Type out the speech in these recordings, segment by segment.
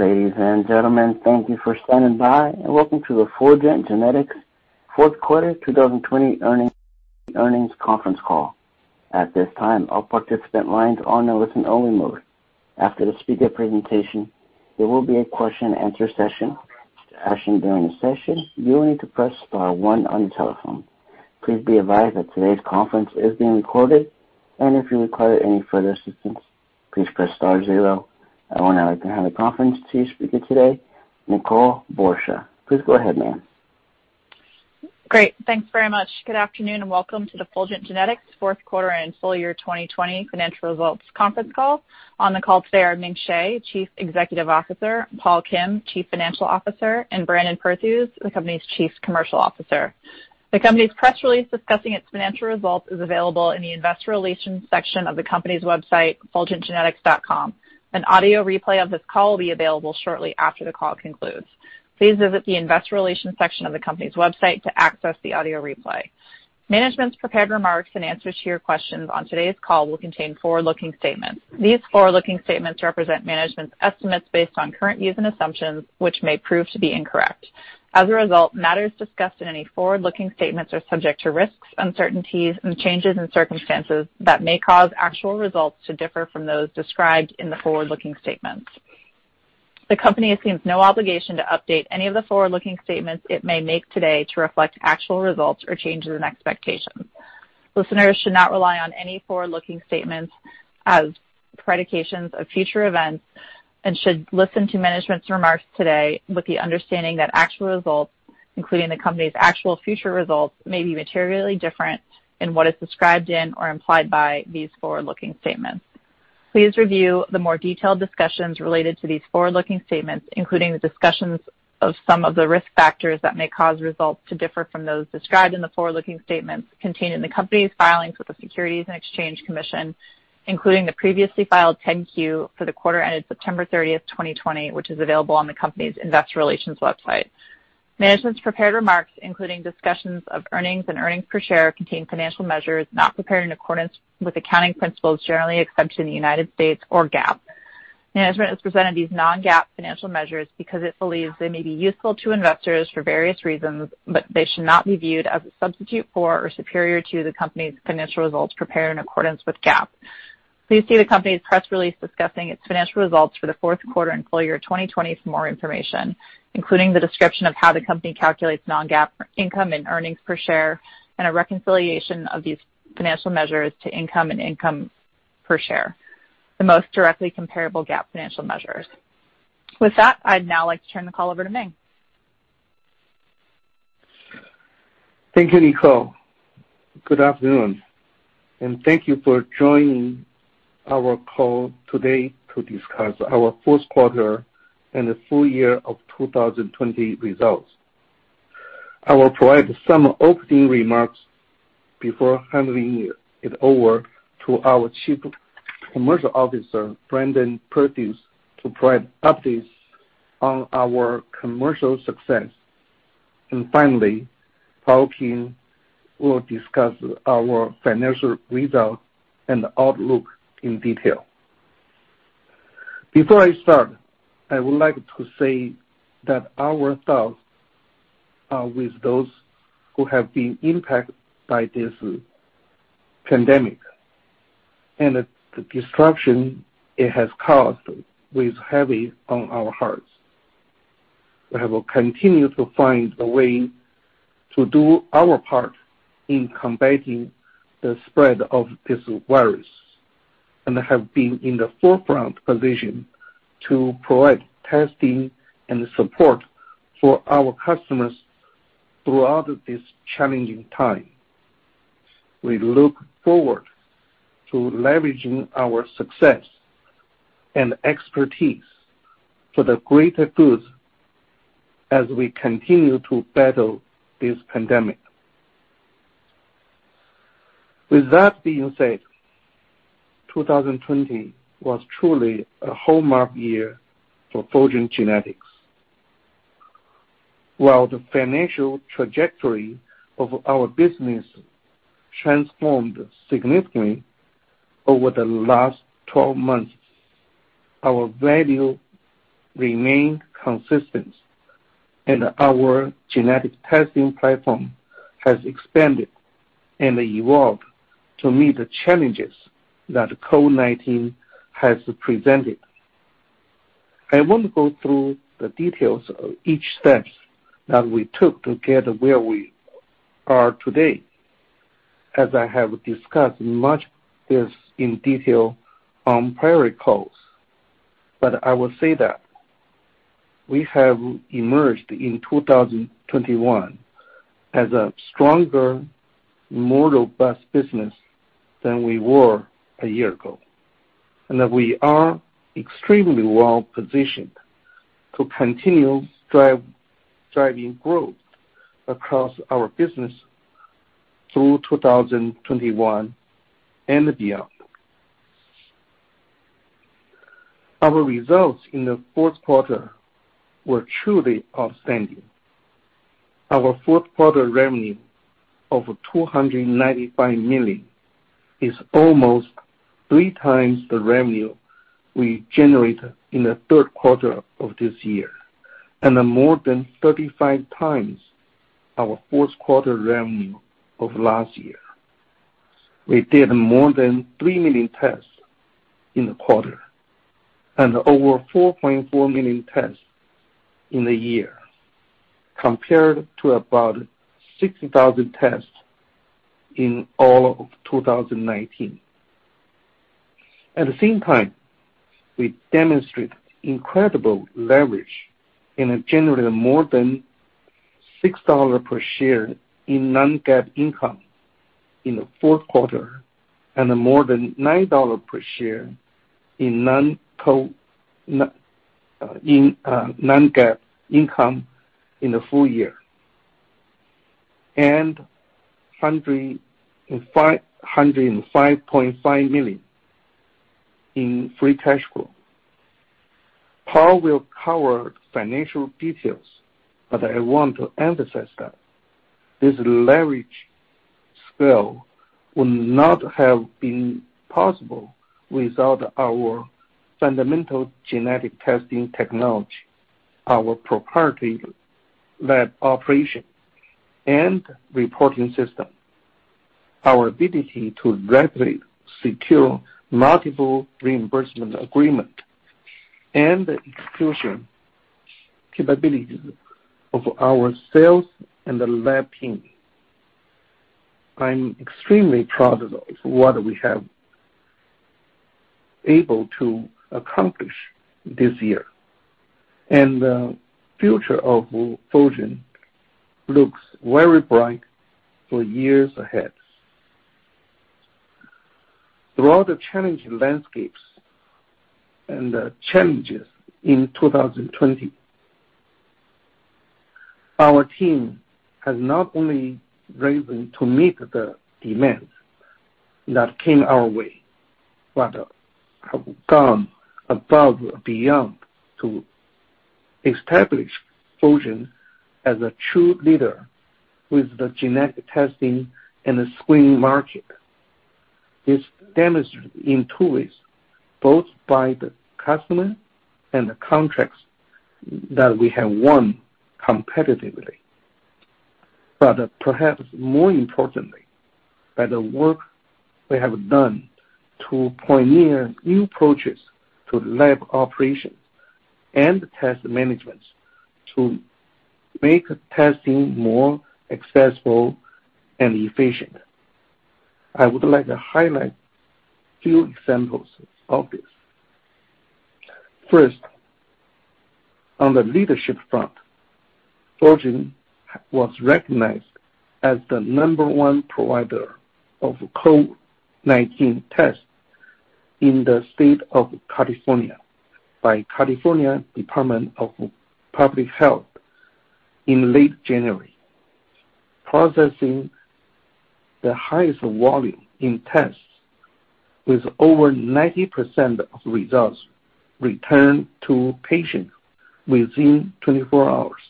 Ladies and gentlemen, thank you for standing by and welcome to the Fulgent Genetics fourth quarter 2020 earnings conference call. At this time, I'll put participant lines on a listen-only mode. After the speaker presentation, there will be a question and answer session. To ask during the session, you will need to press star one on your telephone. Please be advised that today's conference is being recorded, and if you require any further assistance, please press star zero. I want to now hand the conference to your speaker today, Nicole Borsje. Please go ahead, ma'am. Great. Thanks very much. Good afternoon, welcome to the Fulgent Genetics fourth quarter and full year 2020 financial results conference call. On the call today are Ming Hsieh, Chief Executive Officer, Paul Kim, Chief Financial Officer, and Brandon Perthuis, the company's Chief Commercial Officer. The company's press release discussing its financial results is available in the Investor Relations section of the company's website, fulgentgenetics.com. An audio replay of this call will be available shortly after the call concludes. Please visit the Investor Relations section of the company's website to access the audio replay. Management's prepared remarks and answers to your questions on today's call will contain forward-looking statements. These forward-looking statements represent management's estimates based on current views and assumptions, which may prove to be incorrect. As a result, matters discussed in any forward-looking statements are subject to risks, uncertainties, and changes in circumstances that may cause actual results to differ from those described in the forward-looking statements. The company assumes no obligation to update any of the forward-looking statements it may make today to reflect actual results or changes in expectations. Listeners should not rely on any forward-looking statements as predictions of future events and should listen to management's remarks today with the understanding that actual results, including the company's actual future results, may be materially different in what is described in or implied by these forward-looking statements. Please review the more detailed discussions related to these forward-looking statements, including the discussions of some of the risk factors that may cause results to differ from those described in the forward-looking statements contained in the company's filings with the Securities and Exchange Commission, including the previously filed 10-Q for the quarter ended September 30, 2020, which is available on the company's investor relations website. Management's prepared remarks, including discussions of earnings and earnings per share, contain financial measures not prepared in accordance with accounting principles generally accepted in the United States or GAAP. Management has presented these non-GAAP financial measures because it believes they may be useful to investors for various reasons, but they should not be viewed as a substitute for or superior to the company's financial results prepared in accordance with GAAP. Please see the company's press release discussing its financial results for the fourth quarter and full year 2020 for more information, including the description of how the company calculates non-GAAP income and earnings per share, and a reconciliation of these financial measures to income and income per share, the most directly comparable GAAP financial measures. With that, I'd now like to turn the call over to Ming. Thank you, Nicole. Good afternoon and thank you for joining our call today to discuss our fourth quarter and the full year of 2020 results. I will provide some opening remarks before handing it over to our Chief Commercial Officer, Brandon Perthuis, to provide updates on our commercial success. Finally, Paul Kim will discuss our financial results and outlook in detail. Before I start, I would like to say that our thoughts are with those who have been impacted by this pandemic, and the disruption it has caused weighs heavy on our hearts. We have continued to find a way to do our part in combating the spread of this virus and have been in the forefront position to provide testing and support for our customers throughout this challenging time. We look forward to leveraging our success and expertise for the greater good as we continue to battle this pandemic. With that being said, 2020 was truly a hallmark year for Fulgent Genetics. While the financial trajectory of our business transformed significantly over the last 12 months, our value remained consistent and our genetic testing platform has expanded and evolved to meet the challenges that COVID-19 has presented. I won't go through the details of each steps that we took to get where we are today, as I have discussed much this in detail on prior calls, but I will say that we have emerged in 2021 as a stronger, more robust business than we were a year ago, and that we are extremely well positioned to continue driving growth across our business through 2021 and beyond. Our results in the fourth quarter were truly outstanding. Our fourth quarter revenue of $295 million is almost three times the revenue we generated in the third quarter of this year, and more than 35 times our fourth quarter revenue of last year. We did more than 3 million tests in the quarter and over 4.4 million tests in the year, compared to about 60,000 tests in all of 2019. At the same time, we demonstrate incredible leverage and have generated more than $6 per share in non-GAAP income in the fourth quarter and more than $9 per share in non-GAAP income in the full year, and $105.5 million in free cash flow. Paul will cover financial details, but I want to emphasize that this leverage scale would not have been possible without our fundamental genetic testing technology, our proprietary lab operation and reporting system, our ability to rapidly secure multiple reimbursement agreements, and the execution capabilities of our sales and the lab team. I'm extremely proud of what we have able to accomplish this year, and the future of Fulgent looks very bright for years ahead. Throughout the challenging landscapes and the challenges in 2020, our team has not only risen to meet the demands that came our way, but have gone above and beyond to establish Fulgent as a true leader with the genetic testing in the screening market. It's demonstrated in two ways, both by the customer and the contracts that we have won competitively, perhaps more importantly, by the work we have done to pioneer new approaches to lab operations and test management to make testing more accessible and efficient. I would like to highlight a few examples of this. First, on the leadership front, Fulgent was recognized as the number one provider of COVID-19 tests in the state of California by California Department of Public Health in late January, processing the highest volume in tests with over 90% of results returned to patients within 24 hours,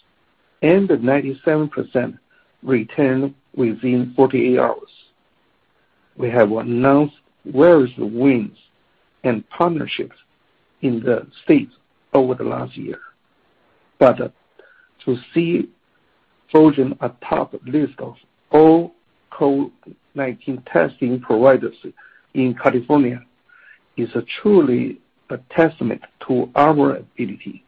and 97% returned within 48 hours. We have announced various wins and partnerships in the state over the last year, but to see Fulgent atop list of all COVID-19 testing providers in California is truly a testament to our ability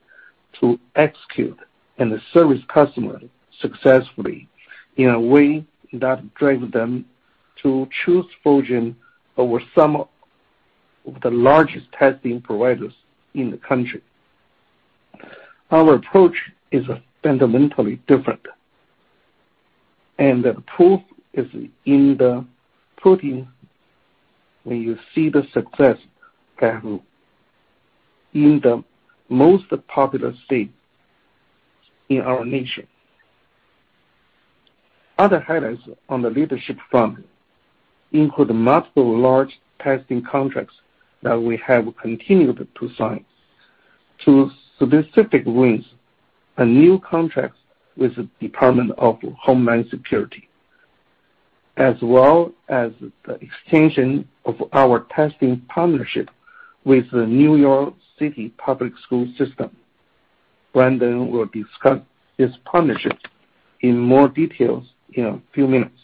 to execute and service customers successfully in a way that drive them to choose Fulgent over some of the largest testing providers in the country. Our approach is fundamentally different, and the proof is in the pudding when you see the success that, in the most populous state in our nation. Other highlights on the leadership front include multiple large testing contracts that we have continued to sign, two specific wins, a new contract with the Department of Homeland Security, as well as the extension of our testing partnership with the New York City Department of Education. Brandon will discuss this partnership in more details in a few minutes.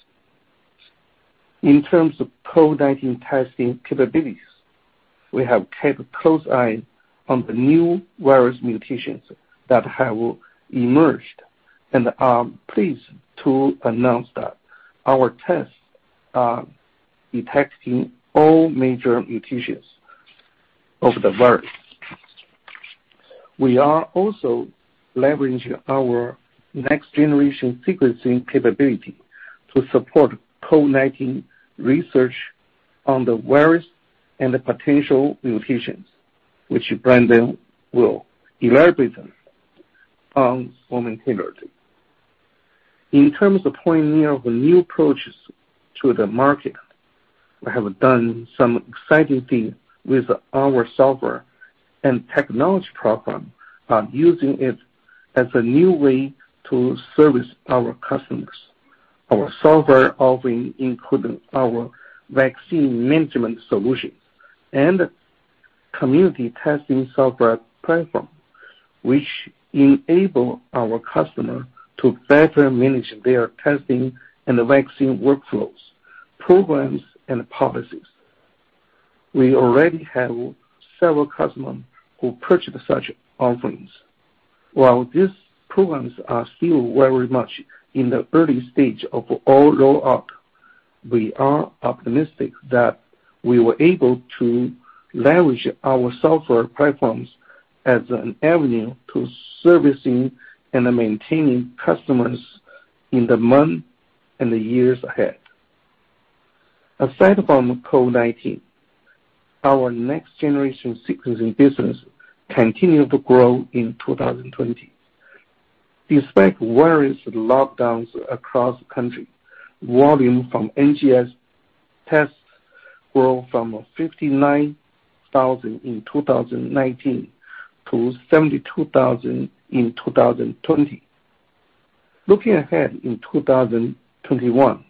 In terms of COVID-19 testing capabilities, we have kept a close eye on the new virus mutations that have emerged and are pleased to announce that our tests are detecting all major mutations of the virus. We are also leveraging our next-generation sequencing capability to support COVID-19 research on the virus and the potential mutations, which Brandon will elaborate on momentarily. In terms of pioneer of new approaches to the market. We have done some exciting things with our software and technology platform by using it as a new way to service our customers. Our software offering includes our Vaccine Management Solution and community testing software platform, which enable our customer to better manage their testing and vaccine workflows, programs, and policies. We already have several customers who purchase such offerings. While these programs are still very much in the early stage of our roll-out, we are optimistic that we were able to leverage our software platforms as an avenue to servicing and maintaining customers in the months and the years ahead. Aside from COVID-19, our next-generation sequencing business continued to grow in 2020. Despite various lockdowns across the country, volume from NGS tests grew from 59,000 in 2019 to 72,000 in 2020. Looking ahead in 2021,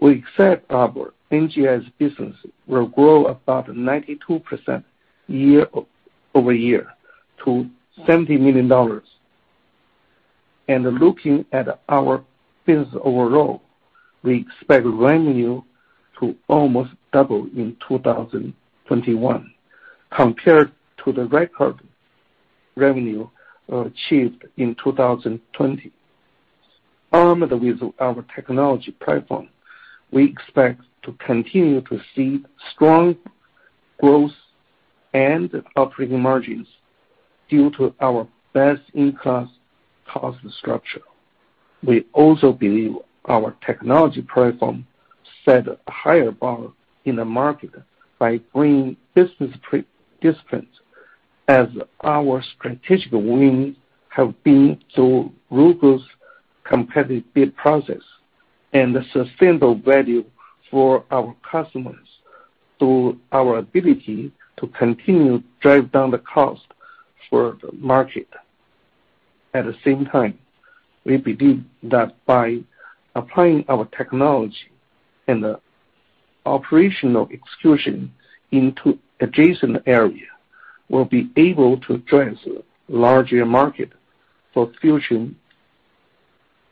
we expect our NGS business will grow about 92% year-over-year to $70 million. Looking at our business overall, we expect revenue to almost double in 2021 compared to the record revenue achieved in 2020. Armed with our technology platform, we expect to continue to see strong growth and operating margins due to our best-in-class cost structure. We also believe our technology platform set a higher bar in the market by bringing business discipline as our strategic win have been through rigorous competitive bid process and the sustainable value for our customers through our ability to continue drive down the cost for the market. At the same time, we believe that by applying our technology and the operational execution into adjacent area, we'll be able to address a larger market for Fulgent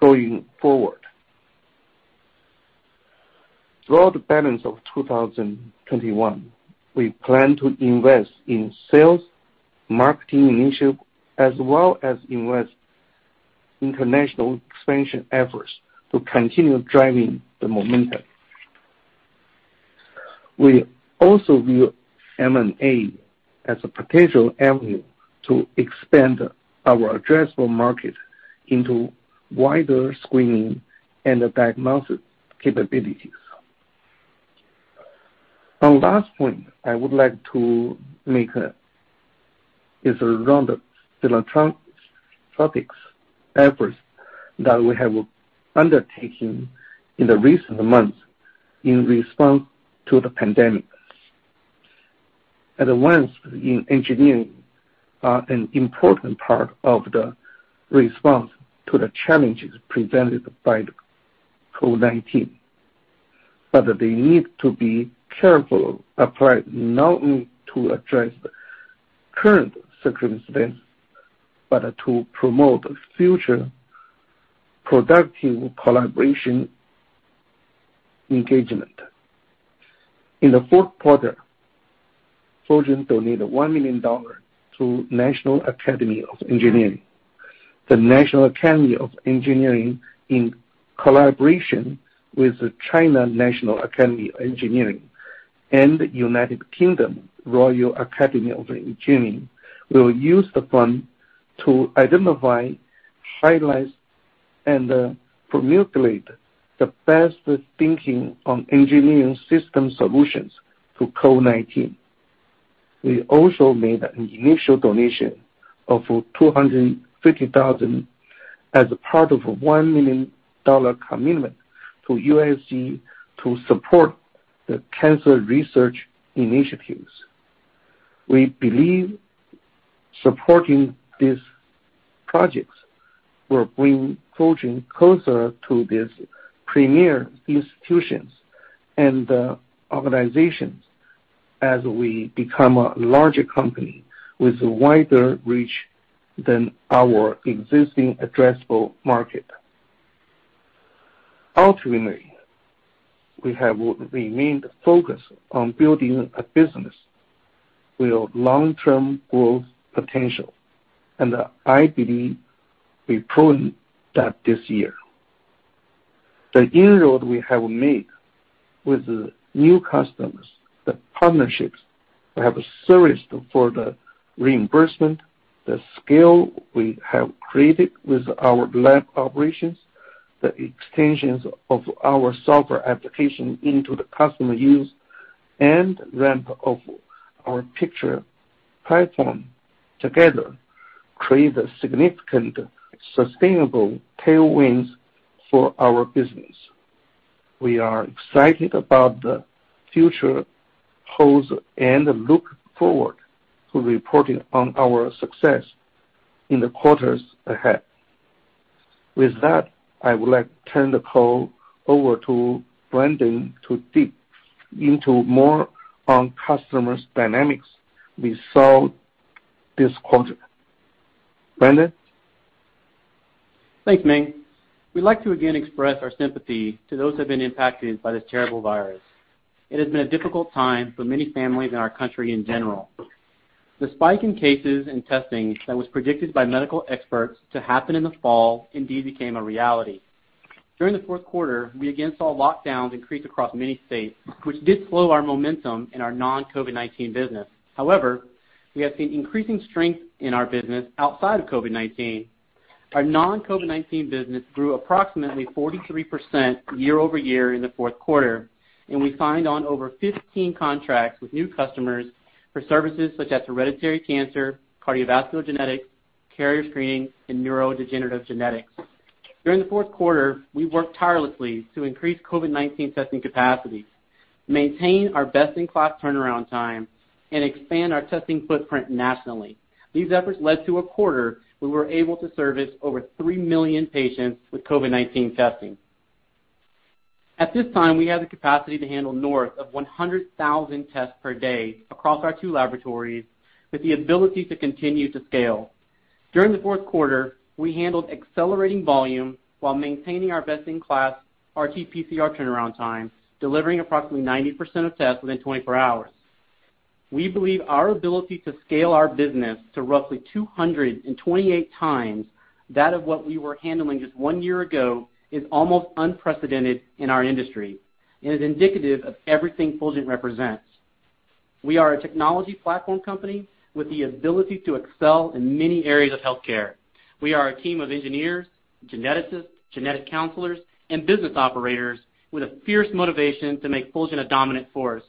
going forward. Throughout the balance of 2021, we plan to invest in sales, marketing initiative, as well as invest international expansion efforts to continue driving the momentum. We also view M&A as a potential avenue to expand our addressable market into wider screening and diagnostic capabilities. One last point I would like to make is around the philanthropic efforts that we have undertaken in the recent months in response to the pandemic. Engineers are an important part of the response to the challenges presented by COVID-19, but they need to be carefully applied, not only to address the current circumstance, but to promote future productive collaboration engagement. In the fourth quarter, Fulgent donated $1 million to National Academy of Engineering. The National Academy of Engineering, in collaboration with the Chinese Academy of Engineering and United Kingdom Royal Academy of Engineering, will use the fund to identify, highlight, and formulate the best thinking on engineers system solutions to COVID-19. We also made an initial donation of $250,000 as a part of a $1 million commitment to USC to support the cancer research initiatives. We believe supporting these projects will bring Fulgent closer to these premier institutions and organizations as we become a larger company with a wider reach than our existing addressable market. Ultimately, we have remained focused on building a business with long-term growth potential, and I believe we've proven that this year. The inroad we have made with the new customers, the partnerships we have serviced for the reimbursement, the scale we have created with our lab operations, the extensions of our software application into the customer use, and ramp of our Picture platform together create a significant, sustainable tailwinds for our business. We are excited about the future holds and look forward to reporting on our success in the quarters ahead. With that, I would like to turn the call over to Brandon to dig into more on customers' dynamics we saw this quarter. Brandon? Thanks, Ming. We'd like to again express our sympathy to those who have been impacted by this terrible virus. It has been a difficult time for many families in our country in general. The spike in cases and testing that was predicted by medical experts to happen in the fall indeed became a reality. During the fourth quarter, we again saw lockdowns increase across many states, which did slow our momentum in our non-COVID-19 business. However, we have seen increasing strength in our business outside of COVID-19. Our non-COVID-19 business grew approximately 43% year-over-year in the fourth quarter, and we signed on over 15 contracts with new customers for services such as hereditary cancer, cardiovascular genetics, carrier screening, and neurodegenerative genetics. During the fourth quarter, we worked tirelessly to increase COVID-19 testing capacity, maintain our best-in-class turnaround time, and expand our testing footprint nationally. These efforts led to a quarter where we were able to service over 3 million patients with COVID-19 testing. At this time, we have the capacity to handle north of 100,000 tests per day across our two laboratories, with the ability to continue to scale. During the fourth quarter, we handled accelerating volume while maintaining our best-in-class RT-PCR turnaround time, delivering approximately 90% of tests within 24 hours. We believe our ability to scale our business to roughly 228 times that of what we were handling just one year ago is almost unprecedented in our industry and is indicative of everything Fulgent represents. We are a technology platform company with the ability to excel in many areas of healthcare. We are a team of engineers, geneticists, genetic counselors, and business operators with a fierce motivation to make Fulgent a dominant force.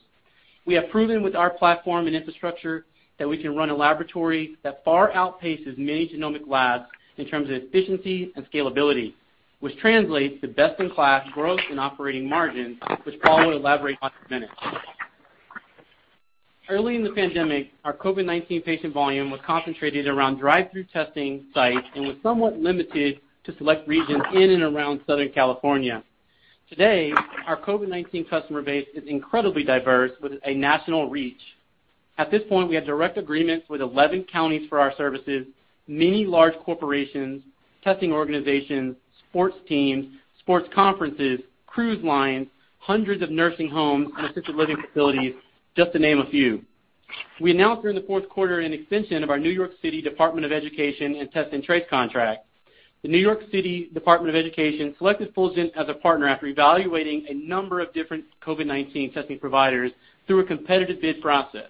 We have proven with our platform and infrastructure that we can run a laboratory that far outpaces many genomic labs in terms of efficiency and scalability, which translates to best-in-class growth and operating margins, which Paul will elaborate on in a minute. Early in the pandemic, our COVID-19 patient volume was concentrated around drive-thru testing sites and was somewhat limited to select regions in and around Southern California. Today, our COVID-19 customer base is incredibly diverse, with a national reach. At this point, we have direct agreements with 11 counties for our services, many large corporations, testing organizations, sports teams, sports conferences, cruise lines, hundreds of nursing homes and assisted living facilities, just to name a few. We announced during the fourth quarter an extension of our New York City Department of Education and Test & Trace contract. The New York City Department of Education selected Fulgent as a partner after evaluating a number of different COVID-19 testing providers through a competitive bid process.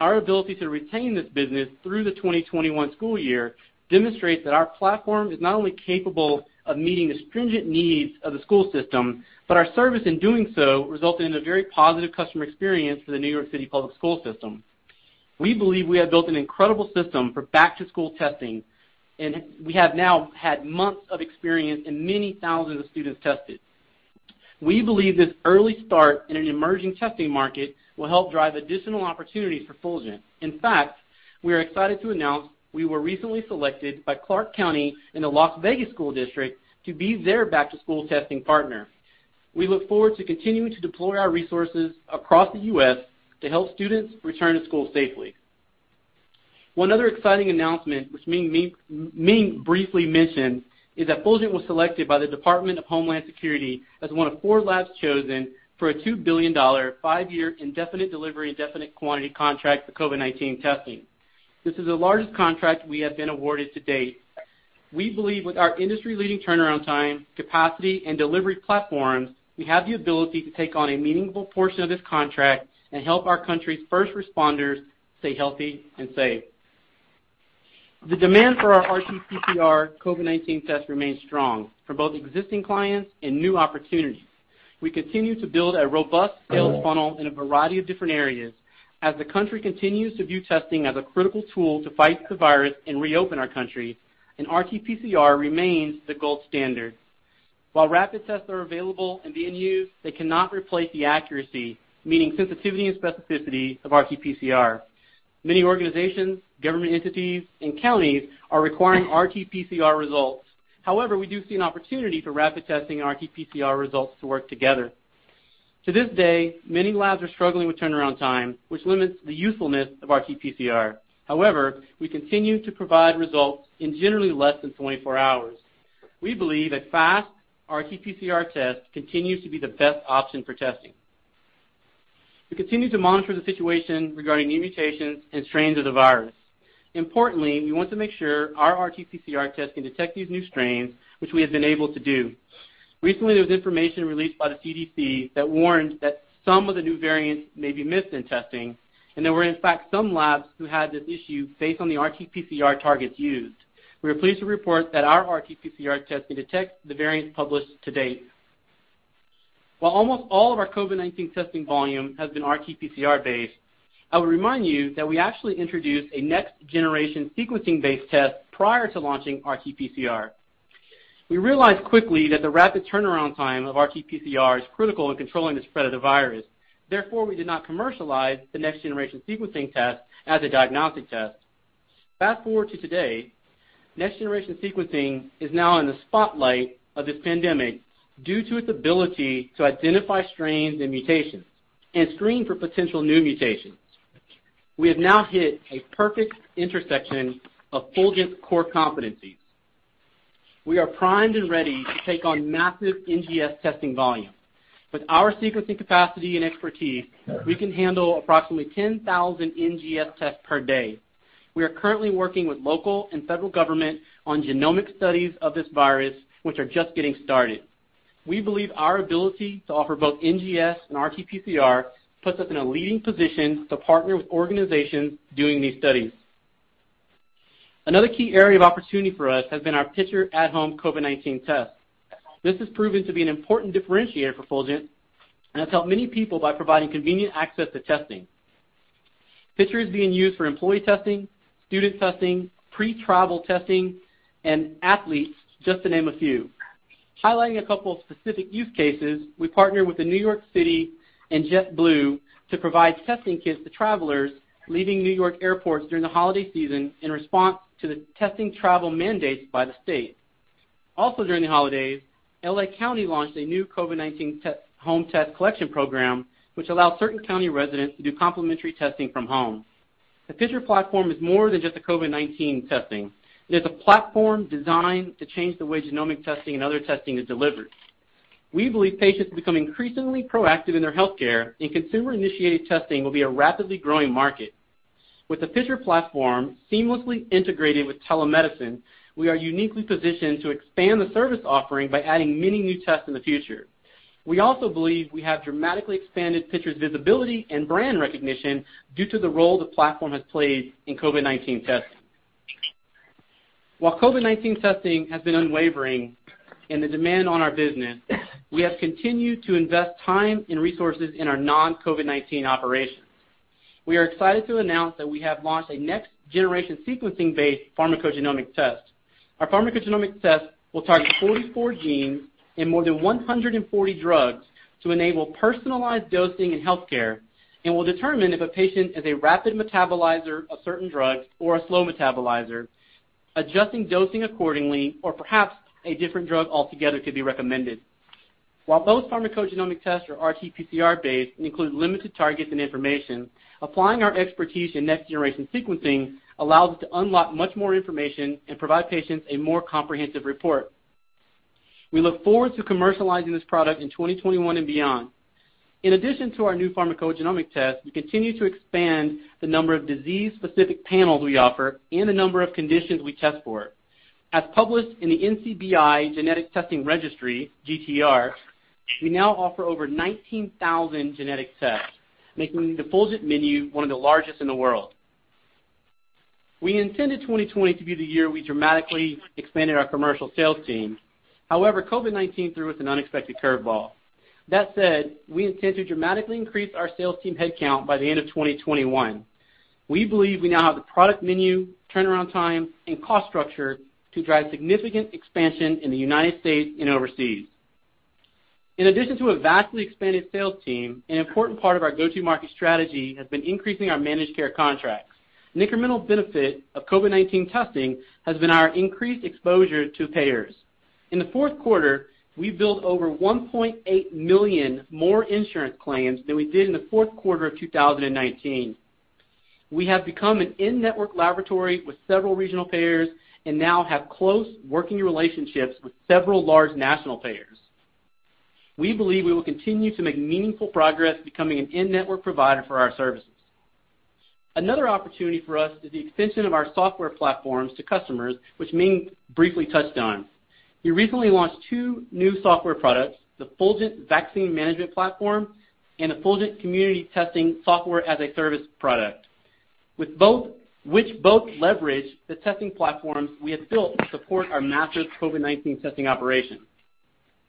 Our ability to retain this business through the 2021 school year demonstrates that our platform is not only capable of meeting the stringent needs of the school system, but our service in doing so resulted in a very positive customer experience for the New York City public school system. We believe we have built an incredible system for back-to-school testing, and we have now had months of experience and many thousands of students tested. We believe this early start in an emerging testing market will help drive additional opportunities for Fulgent. In fact, we are excited to announce we were recently selected by Clark County in the Las Vegas School District to be their back-to-school testing partner. We look forward to continuing to deploy our resources across the U.S. to help students return to school safely. One other exciting announcement, which Ming briefly mentioned, is that Fulgent was selected by the Department of Homeland Security as one of four labs chosen for a $2 billion, five-year indefinite delivery, indefinite quantity contract for COVID-19 testing. This is the largest contract we have been awarded to date. We believe with our industry-leading turnaround time, capacity, and delivery platforms, we have the ability to take on a meaningful portion of this contract and help our country's first responders stay healthy and safe. The demand for our RT-PCR COVID-19 test remains strong for both existing clients and new opportunities. We continue to build a robust sales funnel in a variety of different areas as the country continues to view testing as a critical tool to fight the virus and reopen our country, and RT-PCR remains the gold standard. While rapid tests are available and being used, they cannot replace the accuracy, meaning sensitivity and specificity, of RT-PCR. Many organizations, government entities, and counties are requiring RT-PCR results. However, we do see an opportunity for rapid testing and RT-PCR results to work together. To this day, many labs are struggling with turnaround time, which limits the usefulness of RT-PCR. However, we continue to provide results in generally less than 24 hours. We believe a fast RT-PCR test continues to be the best option for testing. We continue to monitor the situation regarding new mutations and strains of the virus. Importantly, we want to make sure our RT-PCR test can detect these new strains, which we have been able to do. Recently, there was information released by the CDC that warned that some of the new variants may be missed in testing, and there were, in fact, some labs who had this issue based on the RT-PCR targets used. We are pleased to report that our RT-PCR test can detect the variants published to date. While almost all of our COVID-19 testing volume has been RT-PCR based, I would remind you that we actually introduced a next-generation sequencing-based test prior to launching RT-PCR. We realized quickly that the rapid turnaround time of RT-PCR is critical in controlling the spread of the virus. Therefore, we did not commercialize the next-generation sequencing test as a diagnostic test. Fast-forward to today, next-generation sequencing is now in the spotlight of this pandemic due to its ability to identify strains and mutations, and screen for potential new mutations. We have now hit a perfect intersection of Fulgent's core competencies. We are primed and ready to take on massive NGS testing volume. With our sequencing capacity and expertise, we can handle approximately 10,000 NGS tests per day. We are currently working with local and federal government on genomic studies of this virus, which are just getting started. We believe our ability to offer both NGS and RT-PCR puts us in a leading position to partner with organizations doing these studies. Another key area of opportunity for us has been our Picture at-home COVID-19 test. This has proven to be an important differentiator for Fulgent and has helped many people by providing convenient access to testing. Picture is being used for employee testing, student testing, pre-travel testing, and athletes, just to name a few. Highlighting a couple of specific use cases, we partnered with the New York City and JetBlue to provide testing kits to travelers leaving New York airports during the holiday season in response to the testing travel mandates by the state. Also during the holidays, L.A. County launched a new COVID-19 home test collection program, which allows certain county residents to do complimentary testing from home. The Picture platform is more than just the COVID-19 testing. It is a platform designed to change the way genomic testing and other testing is delivered. We believe patients become increasingly proactive in their healthcare. Consumer-initiated testing will be a rapidly growing market. With the Picture platform seamlessly integrated with telemedicine, we are uniquely positioned to expand the service offering by adding many new tests in the future. We also believe we have dramatically expanded Picture's visibility and brand recognition due to the role the platform has played in COVID-19 testing. While COVID-19 testing has been unwavering in the demand on our business, we have continued to invest time and resources in our non-COVID-19 operations. We are excited to announce that we have launched a next-generation sequencing-based pharmacogenomic test. Our pharmacogenomic test will target 44 genes and more than 140 drugs to enable personalized dosing in healthcare and will determine if a patient is a rapid metabolizer of certain drugs or a slow metabolizer, adjusting dosing accordingly, or perhaps a different drug altogether could be recommended. While both pharmacogenomic tests are RT-PCR based and include limited targets and information, applying our expertise in next-generation sequencing allows us to unlock much more information and provide patients a more comprehensive report. We look forward to commercializing this product in 2021 and beyond. In addition to our new pharmacogenomic test, we continue to expand the number of disease-specific panels we offer and the number of conditions we test for. As published in the NCBI Genetic Testing Registry, GTR, we now offer over 19,000 genetic tests, making the Fulgent menu one of the largest in the world. We intended 2020 to be the year we dramatically expanded our commercial sales team. However, COVID-19 threw us an unexpected curveball. That said, we intend to dramatically increase our sales team headcount by the end of 2021. We believe we now have the product menu, turnaround time, and cost structure to drive significant expansion in the United States and overseas. In addition to a vastly expanded sales team, an important part of our go-to-market strategy has been increasing our managed care contracts. An incremental benefit of COVID-19 testing has been our increased exposure to payers. In the fourth quarter, we billed over 1.8 million more insurance claims than we did in the fourth quarter of 2019. We have become an in-network laboratory with several regional payers and now have close working relationships with several large national payers. We believe we will continue to make meaningful progress becoming an in-network provider for our services. Another opportunity for us is the extension of our software platforms to customers, which Ming briefly touched on. We recently launched two new software products, the Fulgent Vaccine Management Platform and a Fulgent Community Testing Software as a Service product, which both leverage the testing platforms we have built to support our massive COVID-19 testing operation.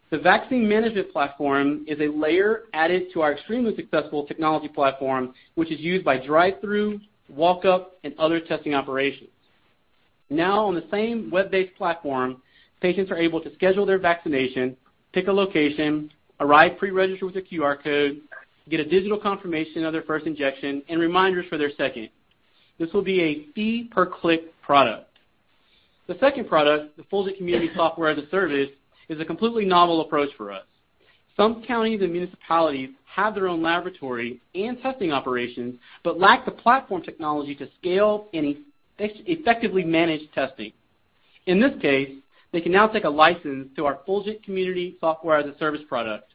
The Vaccine Management Platform is a layer added to our extremely successful technology platform, which is used by drive-thru, walk-up, and other testing operations. Now on the same web-based platform, patients are able to schedule their vaccination, pick a location, arrive pre-registered with a QR code, get a digital confirmation of their first injection, and reminders for their second. This will be a fee per click product. The second product, the Fulgent Community Testing Software as a Service, is a completely novel approach for us. Some counties and municipalities have their own laboratory and testing operations, but lack the platform technology to scale and effectively manage testing. In this case, they can now take a license to our Fulgent Community Testing Software as a Service product.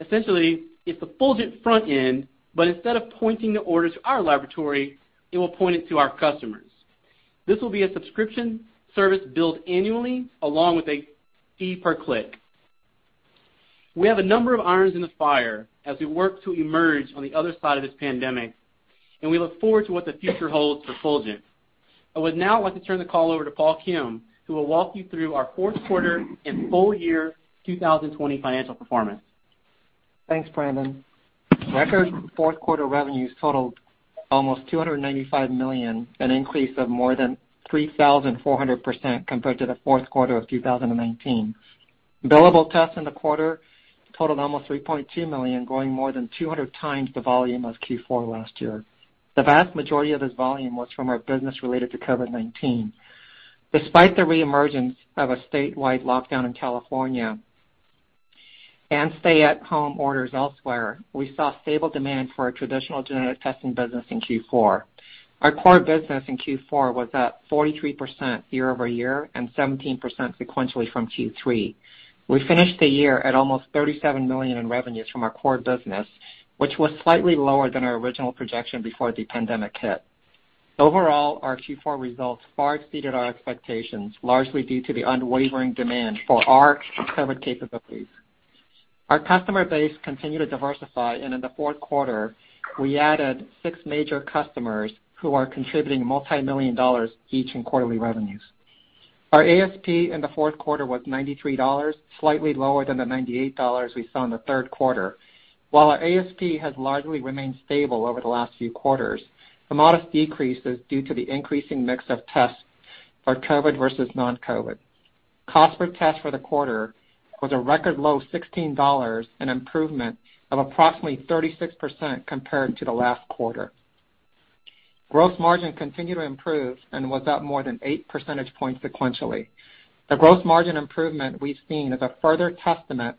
Essentially, it's the Fulgent front end, but instead of pointing the order to our laboratory, it will point it to our customers. This will be a subscription service billed annually, along with a fee per click. We have a number of irons in the fire as we work to emerge on the other side of this pandemic, and we look forward to what the future holds for Fulgent. I would now like to turn the call over to Paul Kim, who will walk you through our fourth quarter and full year 2020 financial performance. Thanks, Brandon. Record fourth quarter revenues totaled almost $295 million, an increase of more than 3,400% compared to the fourth quarter of 2019. Billable tests in the quarter totaled almost 3.2 million, growing more than 200 times the volume of Q4 last year. The vast majority of this volume was from our business related to COVID-19. Despite the reemergence of a statewide lockdown in California and stay-at-home orders elsewhere, we saw stable demand for our traditional genetic testing business in Q4. Our core business in Q4 was up 43% year-over-year and 17% sequentially from Q3. We finished the year at almost $37 million in revenues from our core business, which was slightly lower than our original projection before the pandemic hit. Overall, our Q4 results far exceeded our expectations, largely due to the unwavering demand for our COVID capabilities. Our customer base continued to diversify, and in the fourth quarter, we added six major customers who are contributing multimillion dollars each in quarterly revenues. Our ASP in the fourth quarter was $93, slightly lower than the $98 we saw in the third quarter. While our ASP has largely remained stable over the last few quarters, the modest decrease is due to the increasing mix of tests for COVID versus non-COVID. Cost per test for the quarter was a record low $16, an improvement of approximately 36% compared to the last quarter. Gross margin continued to improve and was up more than eight percentage points sequentially. The gross margin improvement we've seen is a further testament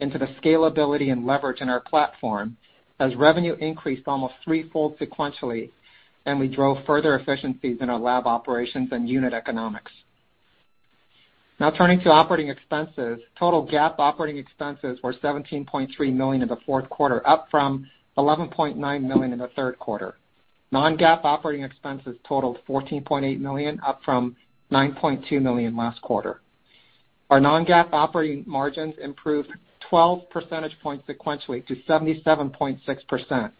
into the scalability and leverage in our platform, as revenue increased almost threefold sequentially, and we drove further efficiencies in our lab operations and unit economics. Now turning to operating expenses. Total GAAP operating expenses were $17.3 million in the fourth quarter, up from $11.9 million in the third quarter. Non-GAAP operating expenses totaled $14.8 million, up from $9.2 million last quarter. Our non-GAAP operating margins improved 12 percentage points sequentially to 77.6%.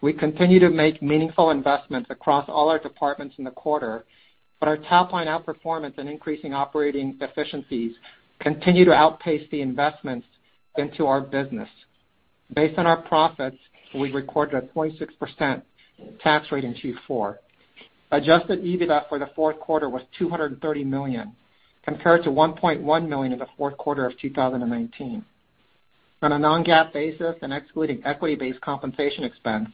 We continued to make meaningful investments across all our departments in the quarter, but our top-line outperformance and increasing operating efficiencies continue to outpace the investments into our business. Based on our profits, we recorded a 26% tax rate in Q4. Adjusted EBITDA for the fourth quarter was $230 million, compared to $1.1 million in the fourth quarter of 2019. On a non-GAAP basis and excluding equity-based compensation expense,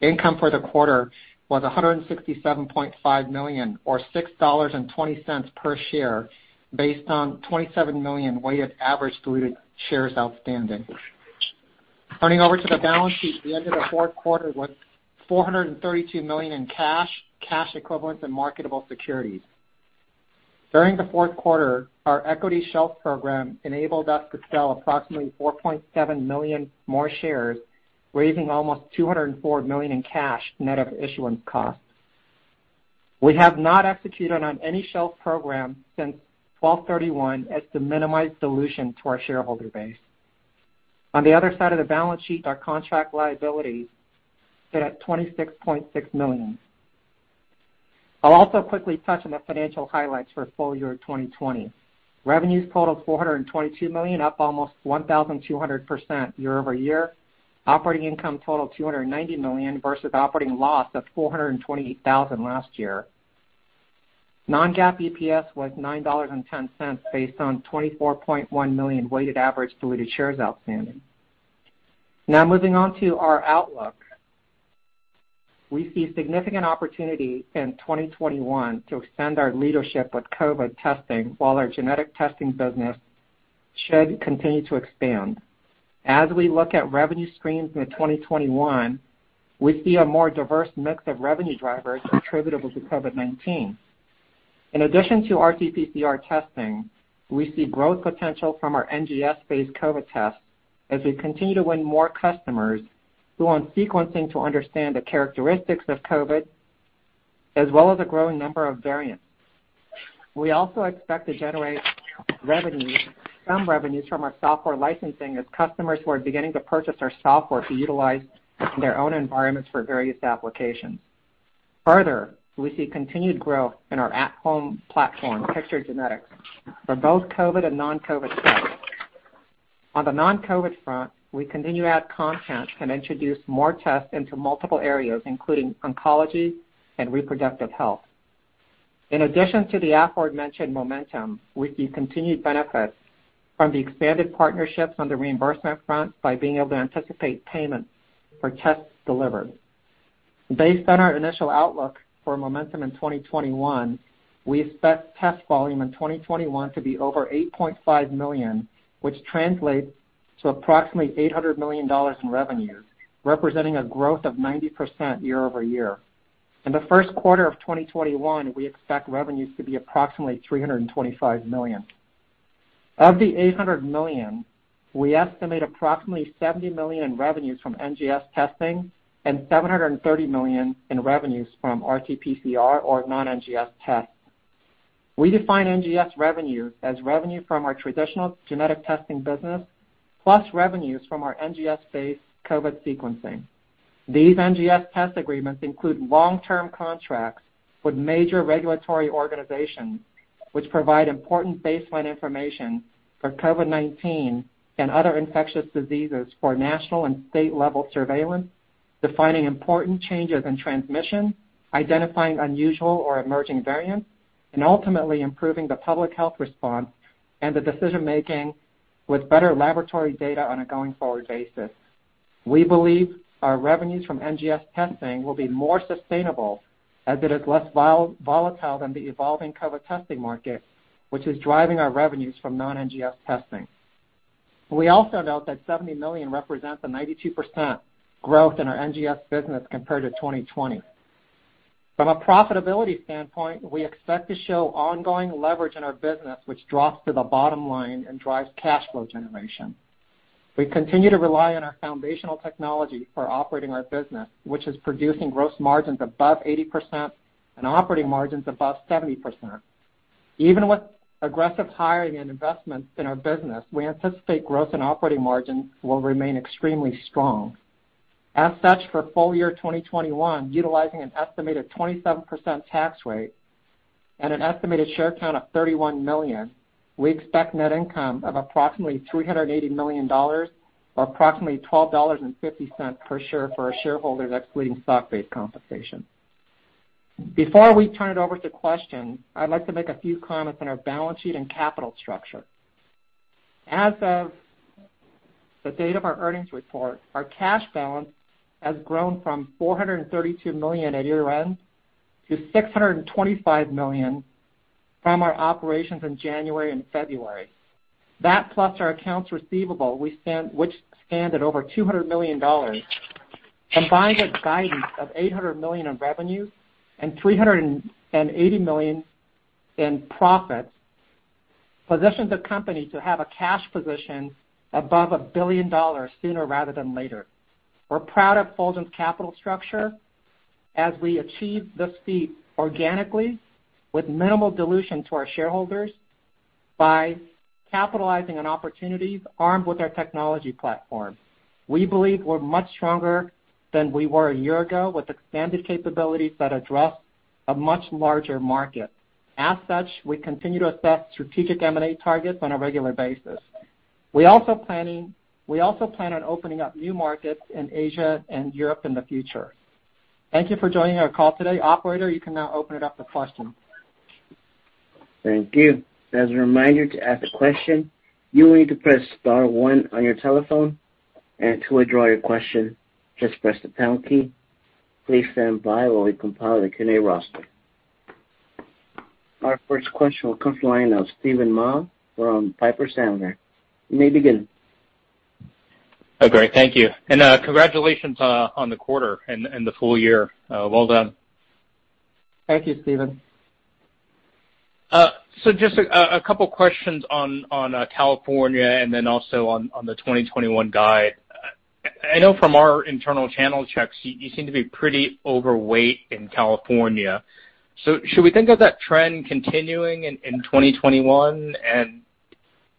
income for the quarter was $167.5 million or $6.20 per share based on 27 million weighted average diluted shares outstanding. Turning over to the balance sheet, we ended the fourth quarter with $432 million in cash equivalents, and marketable securities. During the fourth quarter, our equity shelf program enabled us to sell approximately 4.7 million more shares, raising almost $204 million in cash, net of issuance costs. We have not executed on any shelf program since 12/31 as to minimize dilution to our shareholder base. On the other side of the balance sheet, our contract liabilities sit at $26.6 million. I'll also quickly touch on the financial highlights for full year 2020. Revenues totaled $422 million, up almost 1,200% year-over-year. Operating income totaled $290 million versus operating loss of $428,000 last year. Non-GAAP EPS was $9.10, based on 24.1 million weighted average diluted shares outstanding. Moving on to our outlook. We see significant opportunity in 2021 to extend our leadership with COVID testing, while our genetic testing business should continue to expand. As we look at revenue streams into 2021, we see a more diverse mix of revenue drivers attributable to COVID-19. In addition to RT-PCR testing, we see growth potential from our NGS-based COVID tests as we continue to win more customers who want sequencing to understand the characteristics of COVID, as well as a growing number of variants. We also expect to generate some revenues from our software licensing as customers who are beginning to purchase our software to utilize in their own environments for various applications. Further, we see continued growth in our at-home platform, Picture Genetics, for both COVID and non-COVID tests. On the non-COVID front, we continue to add content and introduce more tests into multiple areas, including oncology and reproductive health. In addition to the aforementioned momentum, we see continued benefits from the expanded partnerships on the reimbursement front by being able to anticipate payments for tests delivered. Based on our initial outlook for momentum in 2021, we expect test volume in 2021 to be over 8.5 million, which translates to approximately $800 million in revenues, representing a growth of 90% year-over-year. In the first quarter of 2021, we expect revenues to be approximately $325 million. Of the $800 million, we estimate approximately $70 million in revenues from NGS testing and $730 million in revenues from RT-PCR or non-NGS tests. We define NGS revenue as revenue from our traditional genetic testing business, plus revenues from our NGS-based COVID sequencing. These NGS test agreements include long-term contracts with major regulatory organizations, which provide important baseline information for COVID-19 and other infectious diseases for national and state-level surveillance, defining important changes in transmission, identifying unusual or emerging variants, and ultimately improving the public health response and the decision-making with better laboratory data on a going-forward basis. We believe our revenues from NGS testing will be more sustainable as it is less volatile than the evolving COVID testing market, which is driving our revenues from non-NGS testing. We also note that $70 million represents a 92% growth in our NGS business compared to 2020. From a profitability standpoint, we expect to show ongoing leverage in our business, which drops to the bottom line and drives cash flow generation. We continue to rely on our foundational technology for operating our business, which is producing gross margins above 80% and operating margins above 70%. Even with aggressive hiring and investments in our business, we anticipate growth and operating margins will remain extremely strong. As such, for full year 2021, utilizing an estimated 27% tax rate and an estimated share count of 31 million, we expect net income of approximately $380 million or approximately $12.50 per share for our shareholders, excluding stock-based compensation. Before we turn it over to questions, I'd like to make a few comments on our balance sheet and capital structure. As of the date of our earnings report, our cash balance has grown from $432 million at year-end to $625 million from our operations in January and February. That, plus our accounts receivable, which stand at over $200 million, combined with guidance of $800 million in revenue and $380 million in profit, positions the company to have a cash position above $1 billion sooner rather than later. We're proud of Fulgent's capital structure as we achieve this feat organically with minimal dilution to our shareholders by capitalizing on opportunities armed with our technology platform. We believe we're much stronger than we were a year ago, with expanded capabilities that address a much larger market. As such, we continue to assess strategic M&A targets on a regular basis. We also plan on opening up new markets in Asia and Europe in the future. Thank you for joining our call today. Operator, you can now open it up to questions. Thank you. As a reminder, to ask a question, you will need to press star one on your telephone, and to withdraw your question, just press the pound key. Please stand by while we compile the connect roster. Our first question will come from the line of Steven Mah from Piper Sandler. You may begin. Great. Thank you. Congratulations on the quarter and the full year. Well done. Thank you, Steven. Just a couple questions on California and then also on the 2021 guide. I know from our internal channel checks, you seem to be pretty overweight in California. Should we think of that trend continuing in 2021 and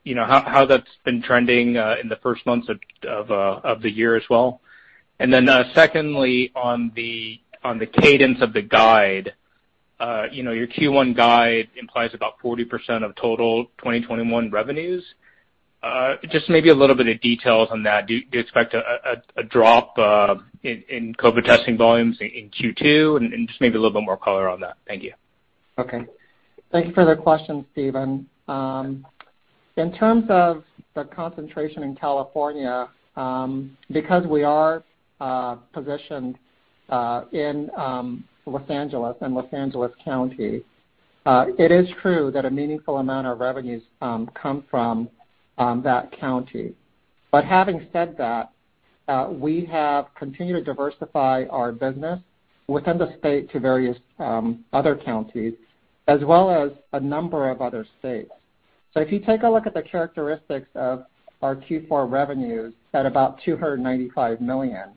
how that's been trending in the first months of the year as well? Secondly, on the cadence of the guide, your Q1 guide implies about 40% of total 2021 revenues. Just maybe a little bit of details on that. Do you expect a drop in COVID testing volumes in Q2? Just maybe a little bit more color on that. Thank you. Okay. Thank you for the question, Steven. In terms of the concentration in California, because we are positioned in Los Angeles and Los Angeles County, it is true that a meaningful amount of revenues come from that county. Having said that, we have continued to diversify our business within the state to various other counties as well as a number of other states. If you take a look at the characteristics of our Q4 revenues at about $295 million,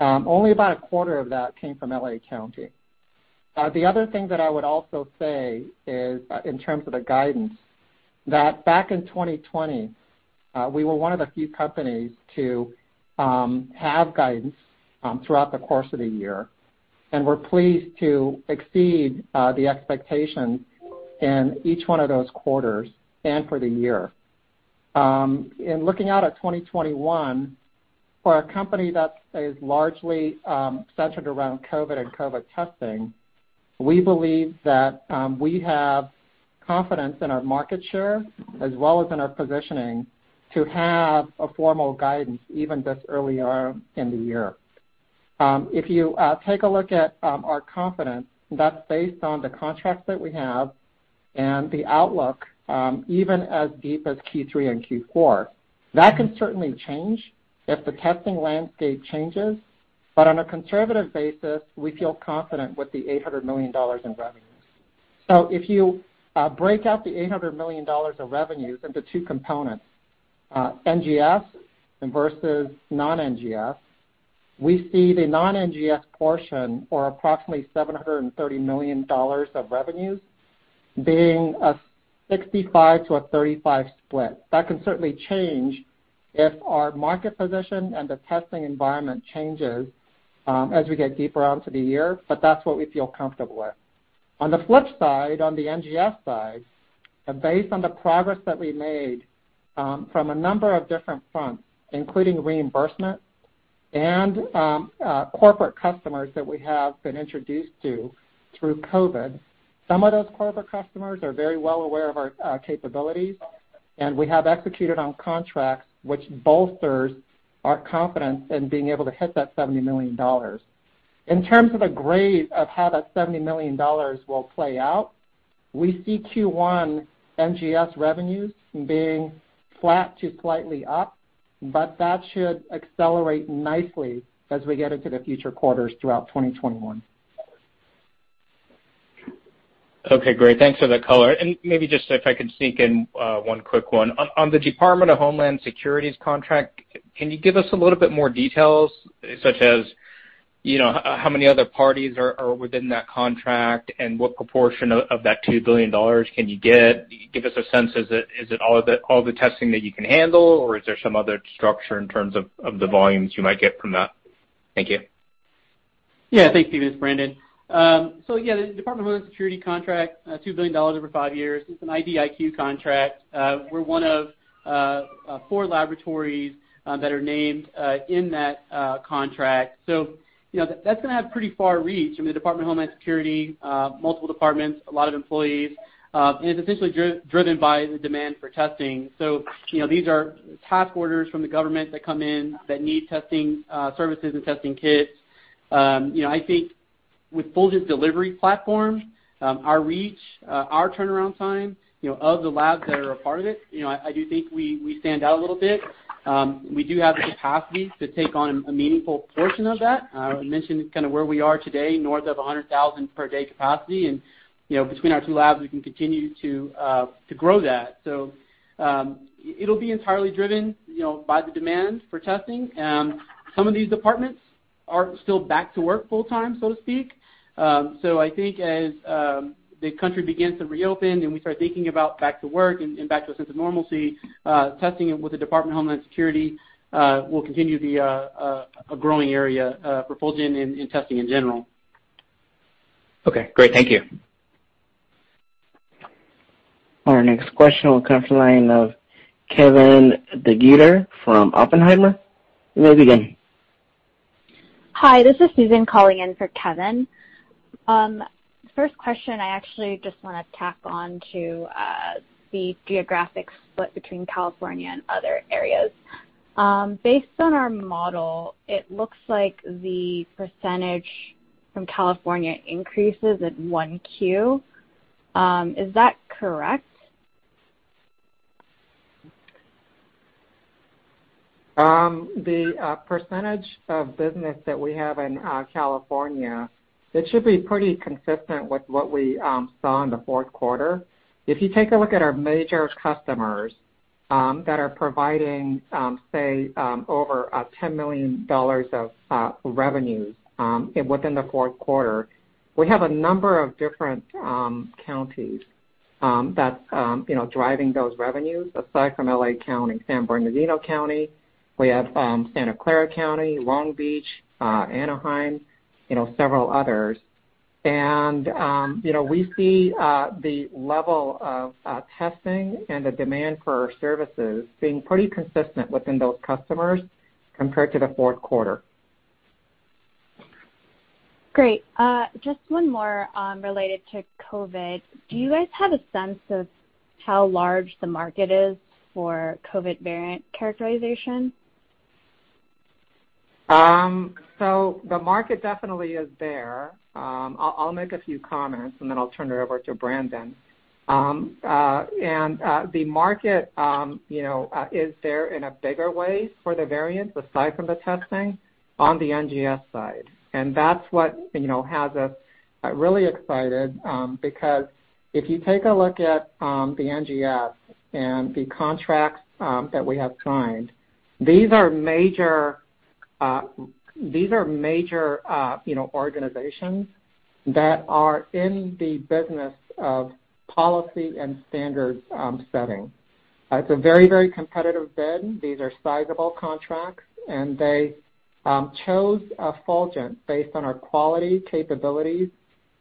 only about a quarter of that came from LA County. The other thing that I would also say is, in terms of the guidance, that back in 2020, we were one of the few companies to have guidance throughout the course of the year, and we're pleased to exceed the expectations in each one of those quarters and for the year. In looking out at 2021, for a company that is largely centered around COVID and COVID testing, we believe that we have confidence in our market share as well as in our positioning to have a formal guidance, even this early on in the year. If you take a look at our confidence, that's based on the contracts that we have and the outlook, even as deep as Q3 and Q4. That can certainly change if the testing landscape changes, but on a conservative basis, we feel confident with the $800 million in revenues. If you break out the $800 million of revenues into two components, NGS versus non-NGS-We see the non-NGS portion, or approximately $730 million of revenues, being a 65/35 split. That can certainly change if our market position and the testing environment changes as we get deeper onto the year, but that's what we feel comfortable with. On the flip side, on the NGS side, and based on the progress that we made from a number of different fronts, including reimbursement and corporate customers that we have been introduced to through COVID, some of those corporate customers are very well aware of our capabilities, and we have executed on contracts, which bolsters our confidence in being able to hit that $70 million. In terms of the grade of how that $70 million will play out, we see Q1 NGS revenues being flat to slightly up, but that should accelerate nicely as we get into the future quarters throughout 2021. Okay, great. Thanks for the color. Maybe just if I can sneak in one quick one. On the Department of Homeland Security's contract, can you give us a little bit more details, such as how many other parties are within that contract, and what proportion of that $2 billion can you get? Can you give us a sense, is it all the testing that you can handle, or is there some other structure in terms of the volumes you might get from that? Thank you. Yeah. Thanks, Steven. It's Brandon. Yeah, the Department of Homeland Security contract, $2 billion over five years. It's an IDIQ contract. We're one of four laboratories that are named in that contract. That's going to have pretty far reach. I mean, the Department of Homeland Security, multiple departments, a lot of employees, and it's essentially driven by the demand for testing. These are task orders from the government that come in that need testing services and testing kits. I think with Fulgent's delivery platform, our reach, our turnaround time, of the labs that are a part of it, I do think we stand out a little bit. We do have the capacity to take on a meaningful portion of that. I mentioned kind of where we are today, north of 100,000 per day capacity, and between our two labs, we can continue to grow that. It'll be entirely driven by the demand for testing. Some of these departments aren't still back to work full-time, so to speak. I think as the country begins to reopen and we start thinking about back to work and back to a sense of normalcy, testing with the Department of Homeland Security will continue to be a growing area for Fulgent and testing in general. Okay, great. Thank you. Our next question will come from the line of Kevin DeGeeter from Oppenheimer. You may begin. Hi, this is Susan calling in for Kevin. First question, I actually just want to tack on to the geographic split between California and other areas. Based on our model, it looks like the percentage from California increases in 1Q. Is that correct? The percentage of business that we have in California, it should be pretty consistent with what we saw in the fourth quarter. If you take a look at our major customers that are providing, say, over $10 million of revenues within the fourth quarter, we have a number of different counties that's driving those revenues aside from L.A. County. San Bernardino County, we have Santa Clara County, Long Beach, Anaheim, several others. We see the level of testing and the demand for our services being pretty consistent within those customers compared to the fourth quarter. Great. Just one more related to COVID. Do you guys have a sense of how large the market is for COVID variant characterization? The market definitely is there. I'll make a few comments, and then I'll turn it over to Brandon. The market is there in a bigger way for the variants aside from the testing on the NGS side. That's what has us really excited, because if you take a look at the NGS and the contracts that we have signed, these are major organizations that are in the business of policy and standard setting. It's a very, very competitive bid. These are sizable contracts, and they chose Fulgent based on our quality capabilities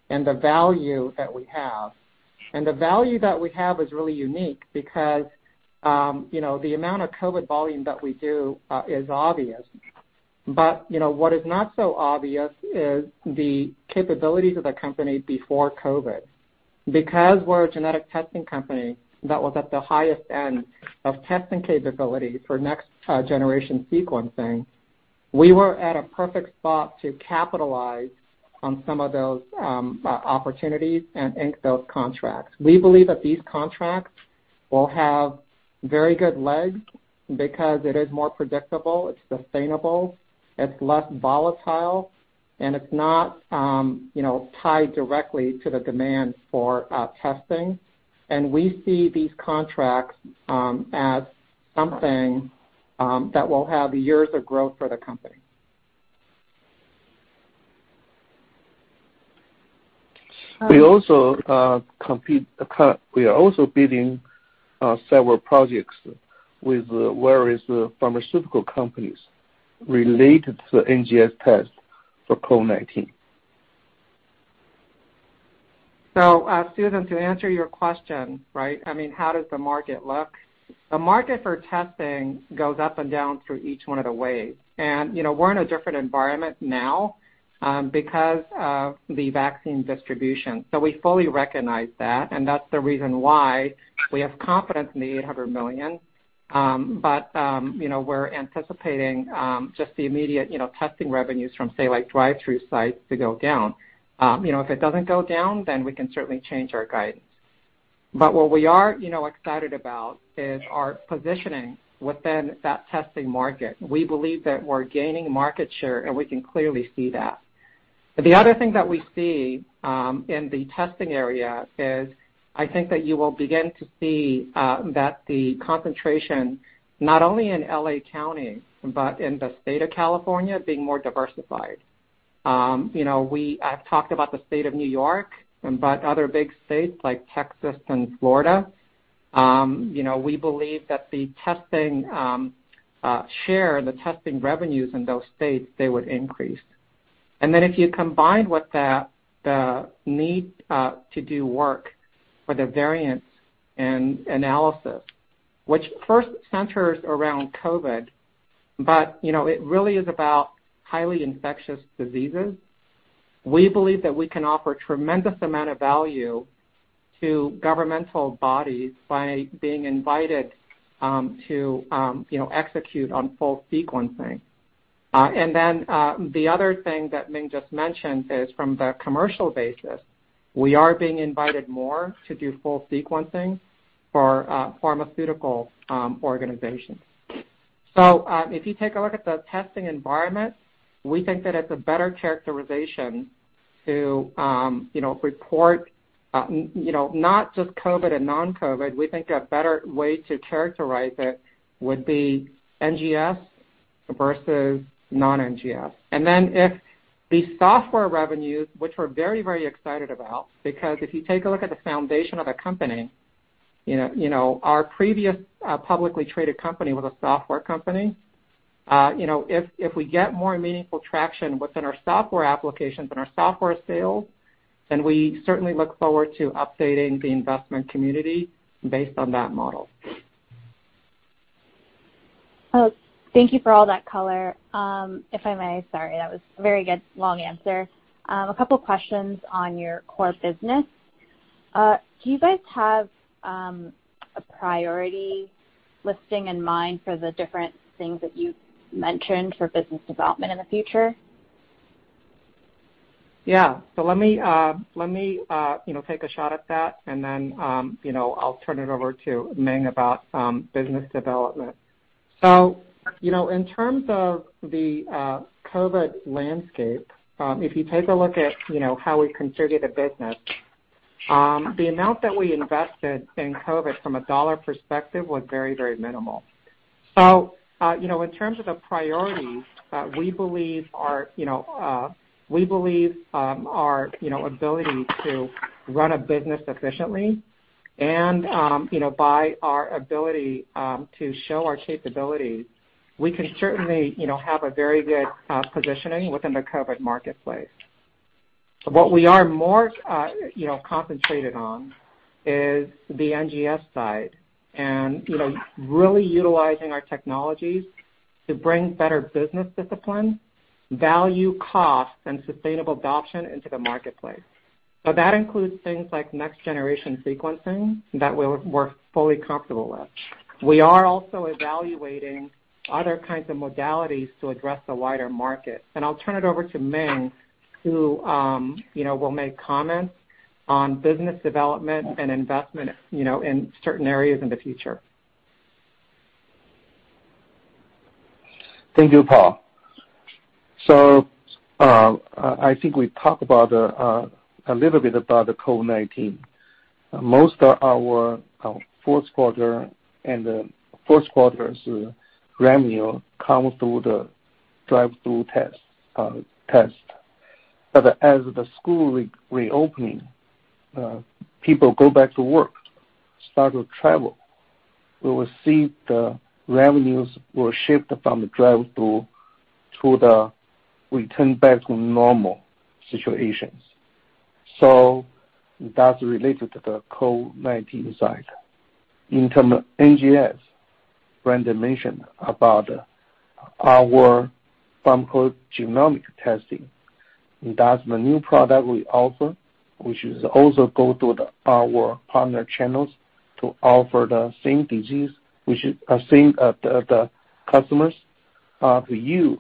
and the value that we have. The value that we have is really unique because the amount of COVID volume that we do is obvious. What is not so obvious is the capabilities of the company before COVID. Because we're a genetic testing company that was at the highest end of testing capability for next-generation sequencing, we were at a perfect spot to capitalize on some of those opportunities and ink those contracts. We believe that these contracts will have very good legs because it is more predictable, it's sustainable, it's less volatile. It's not tied directly to the demand for testing. We see these contracts as something that will have years of growth for the company. We are also bidding several projects with various pharmaceutical companies related to the NGS test for COVID-19. Susan, to answer your question, right, how does the market look? The market for testing goes up and down through each one of the waves. We're in a different environment now because of the vaccine distribution. We fully recognize that, and that's the reason why we have confidence in the $800 million. We're anticipating just the immediate testing revenues from, say, drive-through sites to go down. If it doesn't go down, then we can certainly change our guidance. What we are excited about is our positioning within that testing market. We believe that we're gaining market share, and we can clearly see that. The other thing that we see in the testing area is I think that you will begin to see that the concentration, not only in L.A. County but in the state of California, being more diversified. I've talked about the state of New York, but other big states like Texas and Florida, we believe that the testing share, the testing revenues in those states, they would increase. If you combine with that the need to do work for the variants and analysis, which first centers around COVID, but it really is about highly infectious diseases. We believe that we can offer tremendous amount of value to governmental bodies by being invited to execute on full sequencing. The other thing that Ming just mentioned is from the commercial basis, we are being invited more to do full sequencing for pharmaceutical organizations. If you take a look at the testing environment, we think that it's a better characterization to report not just COVID and non-COVID. We think a better way to characterize it would be NGS versus non-NGS. If the software revenues, which we're very, very excited about, because if you take a look at the foundation of the company, our previous publicly traded company was a software company. If we get more meaningful traction within our software applications and our software sales, then we certainly look forward to updating the investment community based on that model. Thank you for all that color. If I may, sorry, that was a very good long answer. I have a couple questions on your core business. Do you guys have a priority listing in mind for the different things that you've mentioned for business development in the future? Yeah. Let me take a shot at that, and then I'll turn it over to Ming about business development. In terms of the COVID landscape, if you take a look at how we configure the business, the amount that we invested in COVID from a dollar perspective was very, very minimal. In terms of the priorities, we believe our ability to run a business efficiently and by our ability to show our capabilities, we can certainly have a very good positioning within the COVID marketplace. What we are more concentrated on is the NGS side, and really utilizing our technologies to bring better business discipline, value costs, and sustainable adoption into the marketplace. That includes things like next-generation sequencing that we're fully comfortable with. We are also evaluating other kinds of modalities to address the wider market. I'll turn it over to Ming, who will make comments on business development and investment in certain areas in the future. Thank you, Paul. I think we talked a little bit about the COVID-19. Most of our fourth quarter's revenue comes through the drive-through test. As the school reopening, people go back to work, start to travel, we will see the revenues will shift from the drive-through to the return back to normal situations. That's related to the COVID-19 side. In term of NGS, Brandon mentioned about our pharmacogenomic testing. That's the new product we offer, which is also go through our partner channels to offer the same disease, which are same, the customers who use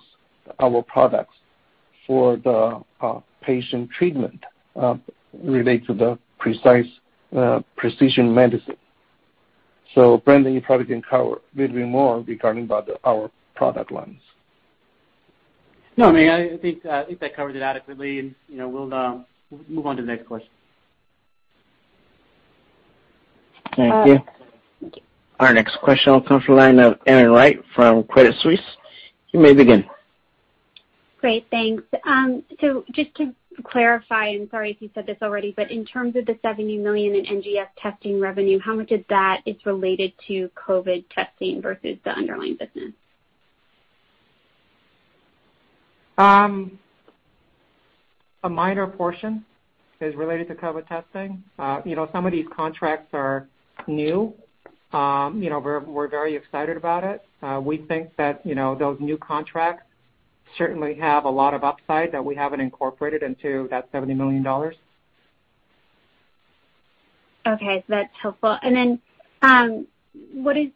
our products for the patient treatment relate to the precise precision medicine. Brandon, you probably can cover a little bit more regarding about our product lines. No, I think that covers it adequately and we'll move on to the next question. Thank you. Our next question will come from the line of Erin Wright from Credit Suisse. You may begin. Great, thanks. Just to clarify, sorry if you said this already, in terms of the $70 million in NGS testing revenue, how much of that is related to COVID testing versus the underlying business? A minor portion is related to COVID testing. Some of these contracts are new. We're very excited about it. We think that those new contracts certainly have a lot of upside that we haven't incorporated into that $70 million. Okay. That's helpful. What is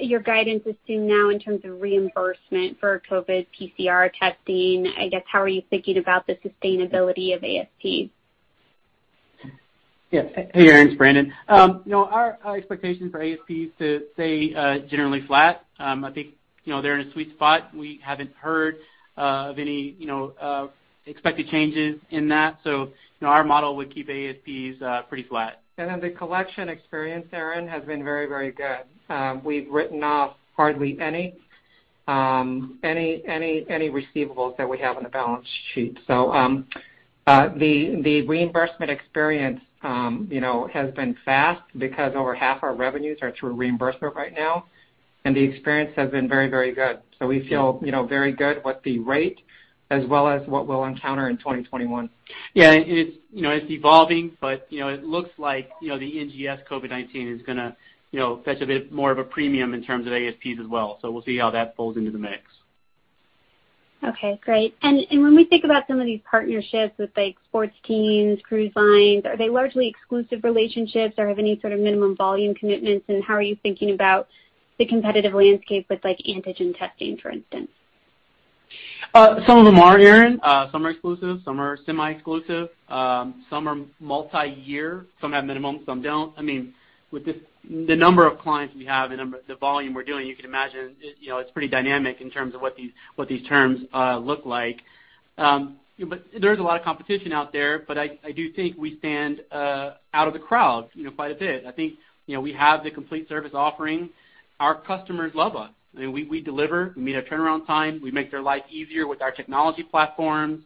your guidance assuming now in terms of reimbursement for COVID PCR testing? I guess, how are you thinking about the sustainability of ASPs? Yes. Hey, Erin, it's Brandon. Our expectation for ASP is to stay generally flat. I think they're in a sweet spot. We haven't heard of any expected changes in that. Our model would keep ASPs pretty flat. The collection experience, Erin, has been very good. We've written off hardly any receivables that we have on the balance sheet. The reimbursement experience has been fast because over half our revenues are through reimbursement right now, and the experience has been very good. We feel very good what the rate, as well as what we'll encounter in 2021. Yeah. It's evolving, but it looks like the NGS COVID-19 is going to fetch a bit more of a premium in terms of ASPs as well. We'll see how that folds into the mix. Okay, great. When we think about some of these partnerships with sports teams, cruise lines, are they largely exclusive relationships or have any sort of minimum volume commitments and how are you thinking about the competitive landscape with antigen testing, for instance? Some of them are, Erin. Some are exclusive, some are semi-exclusive. Some are multi-year, some have minimums, some don't. With the number of clients we have, the volume we're doing, you can imagine, it's pretty dynamic in terms of what these terms look like. There is a lot of competition out there, but I do think we stand out of the crowd quite a bit. I think we have the complete service offering. Our customers love us. We deliver, we meet our turnaround time. We make their life easier with our technology platforms.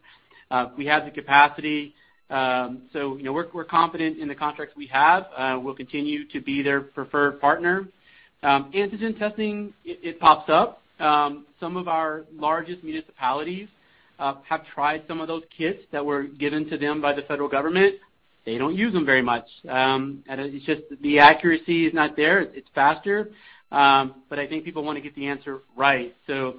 We have the capacity. We're confident in the contracts we have. We'll continue to be their preferred partner. Antigen testing, it pops up. Some of our largest municipalities have tried some of those kits that were given to them by the federal government. They don't use them very much. It's just the accuracy is not there. It's faster, but I think people want to get the answer right. The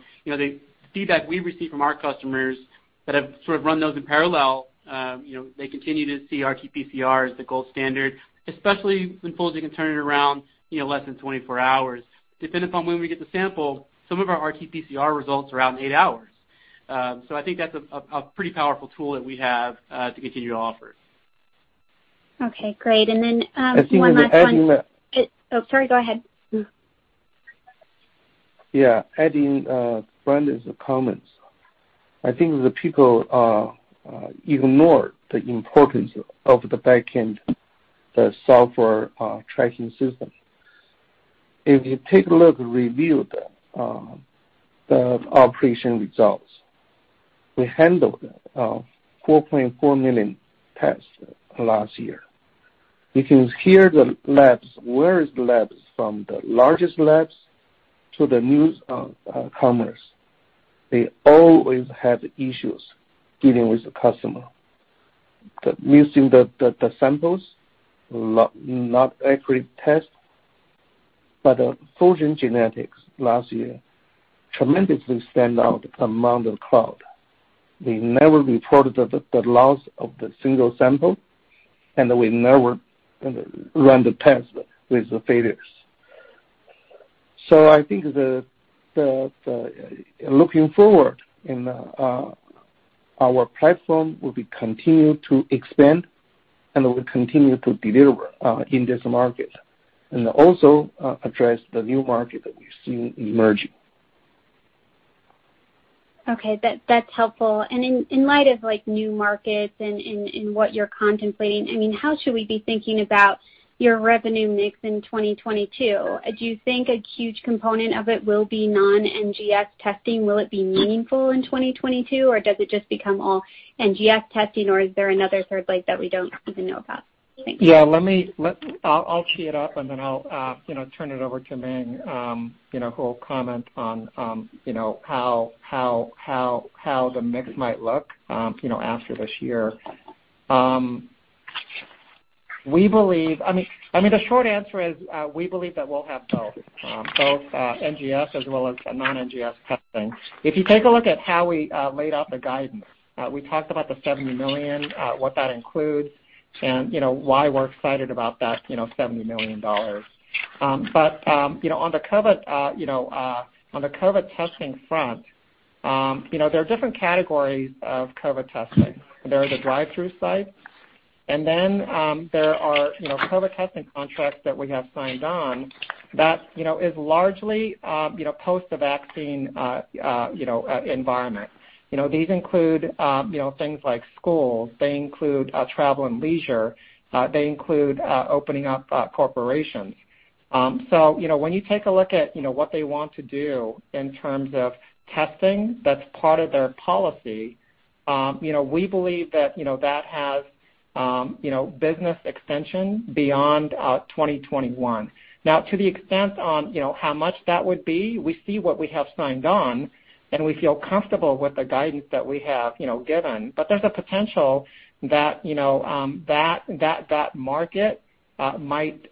feedback we receive from our customers that have sort of run those in parallel, they continue to see RT-PCR as the gold standard, especially when Fulgent can turn it around, less than 24 hours. Depending upon when we get the sample, some of our RT-PCR results are out in eight hours. I think that's a pretty powerful tool that we have to continue to offer. Okay, great. One last one. I think as adding the- Oh, sorry, go ahead. Yeah. Adding Brandon's comments. I think the people ignore the importance of the back end, the software tracking system. If you take a look, review the operation results. We handled 4.4 million tests last year. You can hear the labs, where is the labs from the largest labs to the newcomers. They always have issues dealing with the customer. The missing the samples, not accurate test. Fulgent Genetics last year tremendously stand out among the crowd. We never reported the loss of the single sample, and we never run the test with the failures. I think looking forward, our platform will be continued to expand and will continue to deliver in this market and also address the new market that we've seen emerging. Okay. That's helpful. In light of new markets and what you're contemplating, how should we be thinking about your revenue mix in 2022? Do you think a huge component of it will be non-NGS testing? Will it be meaningful in 2022 or does it just become all NGS testing or is there another third leg that we don't even know about? Thanks. Yeah. I'll tee it up and then I'll turn it over to Ming, who will comment on how the mix might look after this year. The short answer is, we believe that we'll have both NGS as well as non-NGS testing. If you take a look at how we laid out the guidance, we talked about the $70 million, what that includes and why we're excited about that $70 million. On the COVID testing front There are different categories of COVID testing. There are the drive-through sites, and there are COVID testing contracts that we have signed on that is largely post the vaccine environment. These include things like schools. They include travel and leisure. They include opening up corporations. When you take a look at what they want to do in terms of testing, that's part of their policy, we believe that has business extension beyond 2021. To the extent on how much that would be, we see what we have signed on, and we feel comfortable with the guidance that we have given. There's a potential that that market might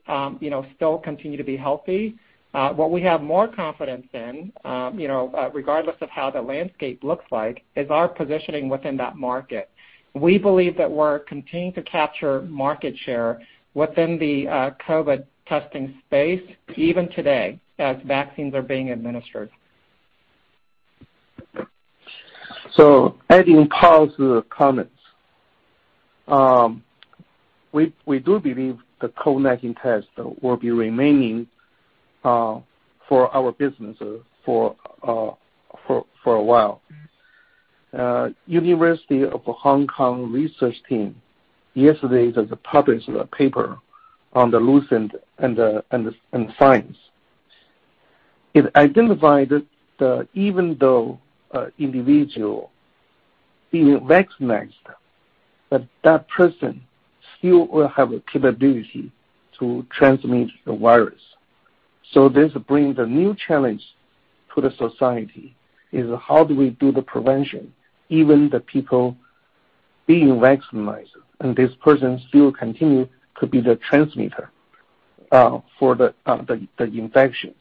still continue to be healthy. What we have more confidence in, regardless of how the landscape looks like, is our positioning within that market. We believe that we're continuing to capture market share within the COVID testing space even today as vaccines are being administered. Adding Paul to the comments, we do believe the COVID-19 test will be remaining for our business for a while. University of Hong Kong research team yesterday has published a paper on The Lancet and Science. It identified that even though individual being vaccinated, that person still will have a capability to transmit the virus. This brings a new challenge to the society, is how do we do the prevention, even the people being vaccinated, and this person still continue to be the transmitter for the infections.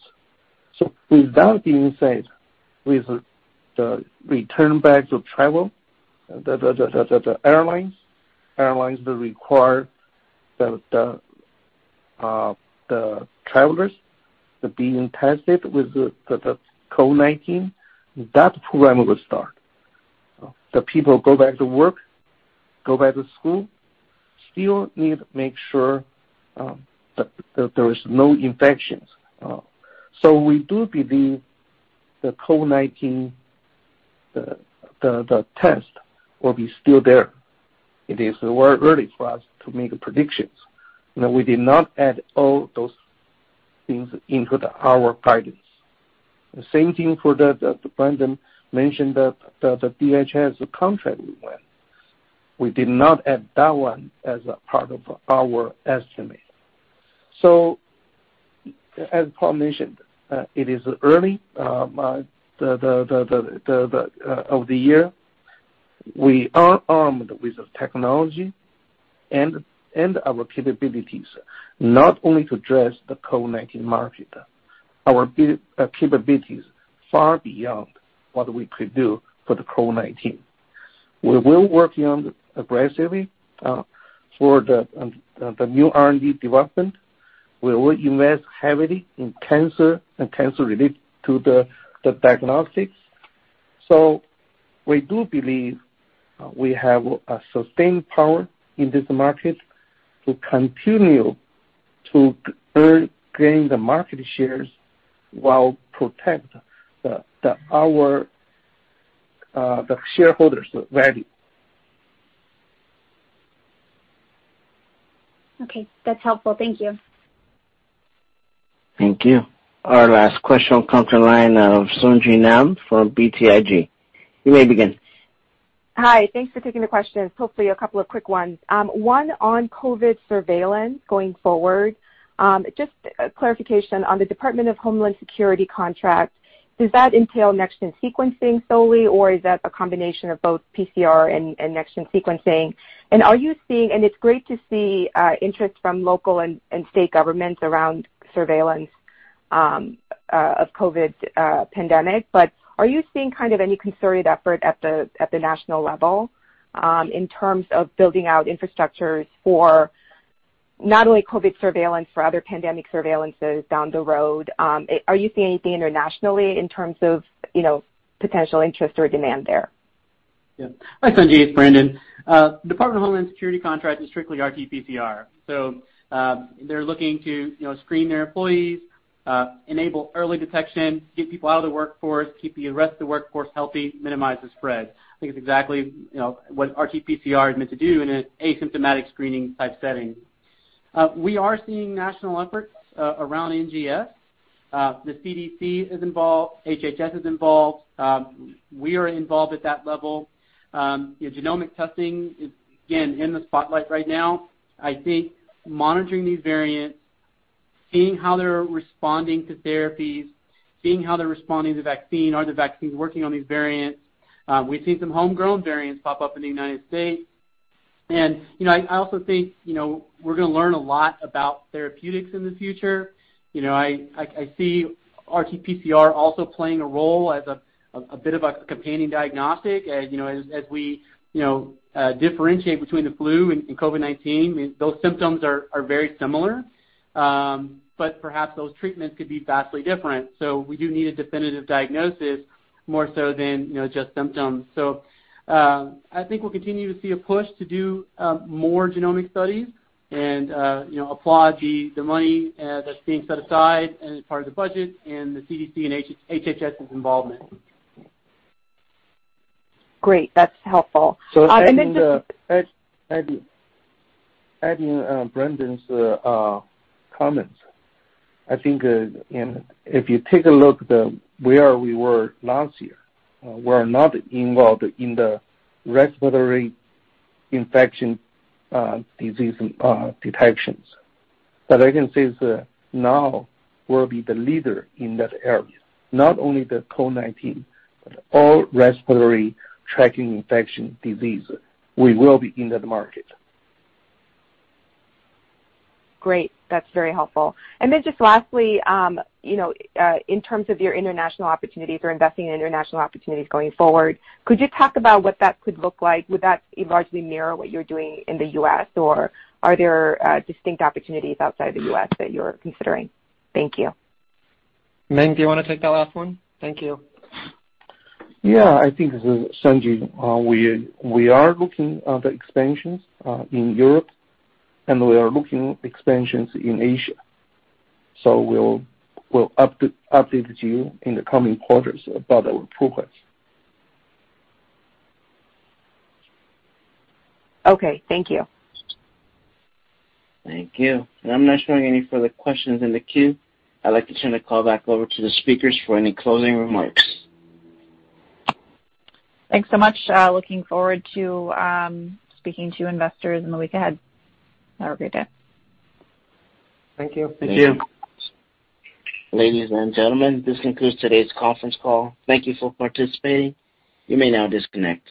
With that being said, with the return back to travel, the airlines will require the travelers to be tested with the COVID-19. That program will start. The people go back to work, go back to school, still need to make sure that there is no infections. We do believe the COVID-19 test will be still there. It is very early for us to make predictions. We did not add all those things into our guidance. The same thing for the, Brandon mentioned the DHS contract we won. We did not add that one as a part of our estimate. As Paul mentioned, it is early of the year. We are armed with the technology and our capabilities, not only to address the COVID-19 market, our capabilities far beyond what we could do for the COVID-19. We will working on aggressively for the new R&D development. We will invest heavily in cancer and cancer related to the diagnostics. We do believe we have a sustained power in this market to continue to gain the market shares while protect the shareholders' value. Okay. That's helpful. Thank you. Thank you. Our last question will come from the line of Sung Ji Nam from BTIG. You may begin. Hi. Thanks for taking the questions. Hopefully a couple of quick ones. One on COVID surveillance going forward. Just a clarification on the Department of Homeland Security contract, does that entail next-gen sequencing solely, or is that a combination of both PCR and next-gen sequencing? It's great to see interest from local and state governments around surveillance of COVID pandemic, but are you seeing any concerted effort at the national level in terms of building out infrastructures for not only COVID surveillance, for other pandemic surveillances down the road? Are you seeing anything internationally in terms of potential interest or demand there? Yeah. Hi, Sung Ji, it's Brandon. Department of Homeland Security contract is strictly RT-PCR. They're looking to screen their employees, enable early detection, get people out of the workforce, keep the rest of the workforce healthy, minimize the spread. I think it's exactly what RT-PCR is meant to do in an asymptomatic screening type setting. We are seeing national efforts around NGS. The CDC is involved, HHS is involved. We are involved at that level. Genomic testing is, again, in the spotlight right now. I think monitoring these variants, seeing how they're responding to therapies, seeing how they're responding to vaccine, are the vaccines working on these variants? We've seen some homegrown variants pop up in the United States, and I also think we're going to learn a lot about therapeutics in the future. I see RT-PCR also playing a role as a bit of a companion diagnostic as we differentiate between the flu and COVID-19. Those symptoms are very similar, but perhaps those treatments could be vastly different, so we do need a definitive diagnosis more so than just symptoms. I think we'll continue to see a push to do more genomic studies and applaud the money that's being set aside as part of the budget and the CDC and HHS's involvement. Great. That's helpful. Adding Brandon's comments, I think if you take a look at where we were last year, we were not involved in the respiratory infection disease detections. I can say now we'll be the leader in that area, not only the COVID-19, but all respiratory tract infection diseases. We will be in that market. Great. That's very helpful. Just lastly, in terms of your international opportunities or investing in international opportunities going forward, could you talk about what that could look like? Would that largely mirror what you're doing in the U.S., or are there distinct opportunities outside the U.S. that you're considering? Thank you. Ming, do you want to take that last one? Thank you. Yeah, I think, this is Hsieh. We are looking at expansions in Europe, and we are looking at expansions in Asia. We'll update you in the coming quarters about our progress. Okay. Thank you. Thank you. I'm not showing any further questions in the queue. I'd like to turn the call back over to the speakers for any closing remarks. Thanks so much. Looking forward to speaking to investors in the week ahead. Have a great day. Thank you. Thank you. Ladies and gentlemen, this concludes today's conference call. Thank you for participating. You may now disconnect.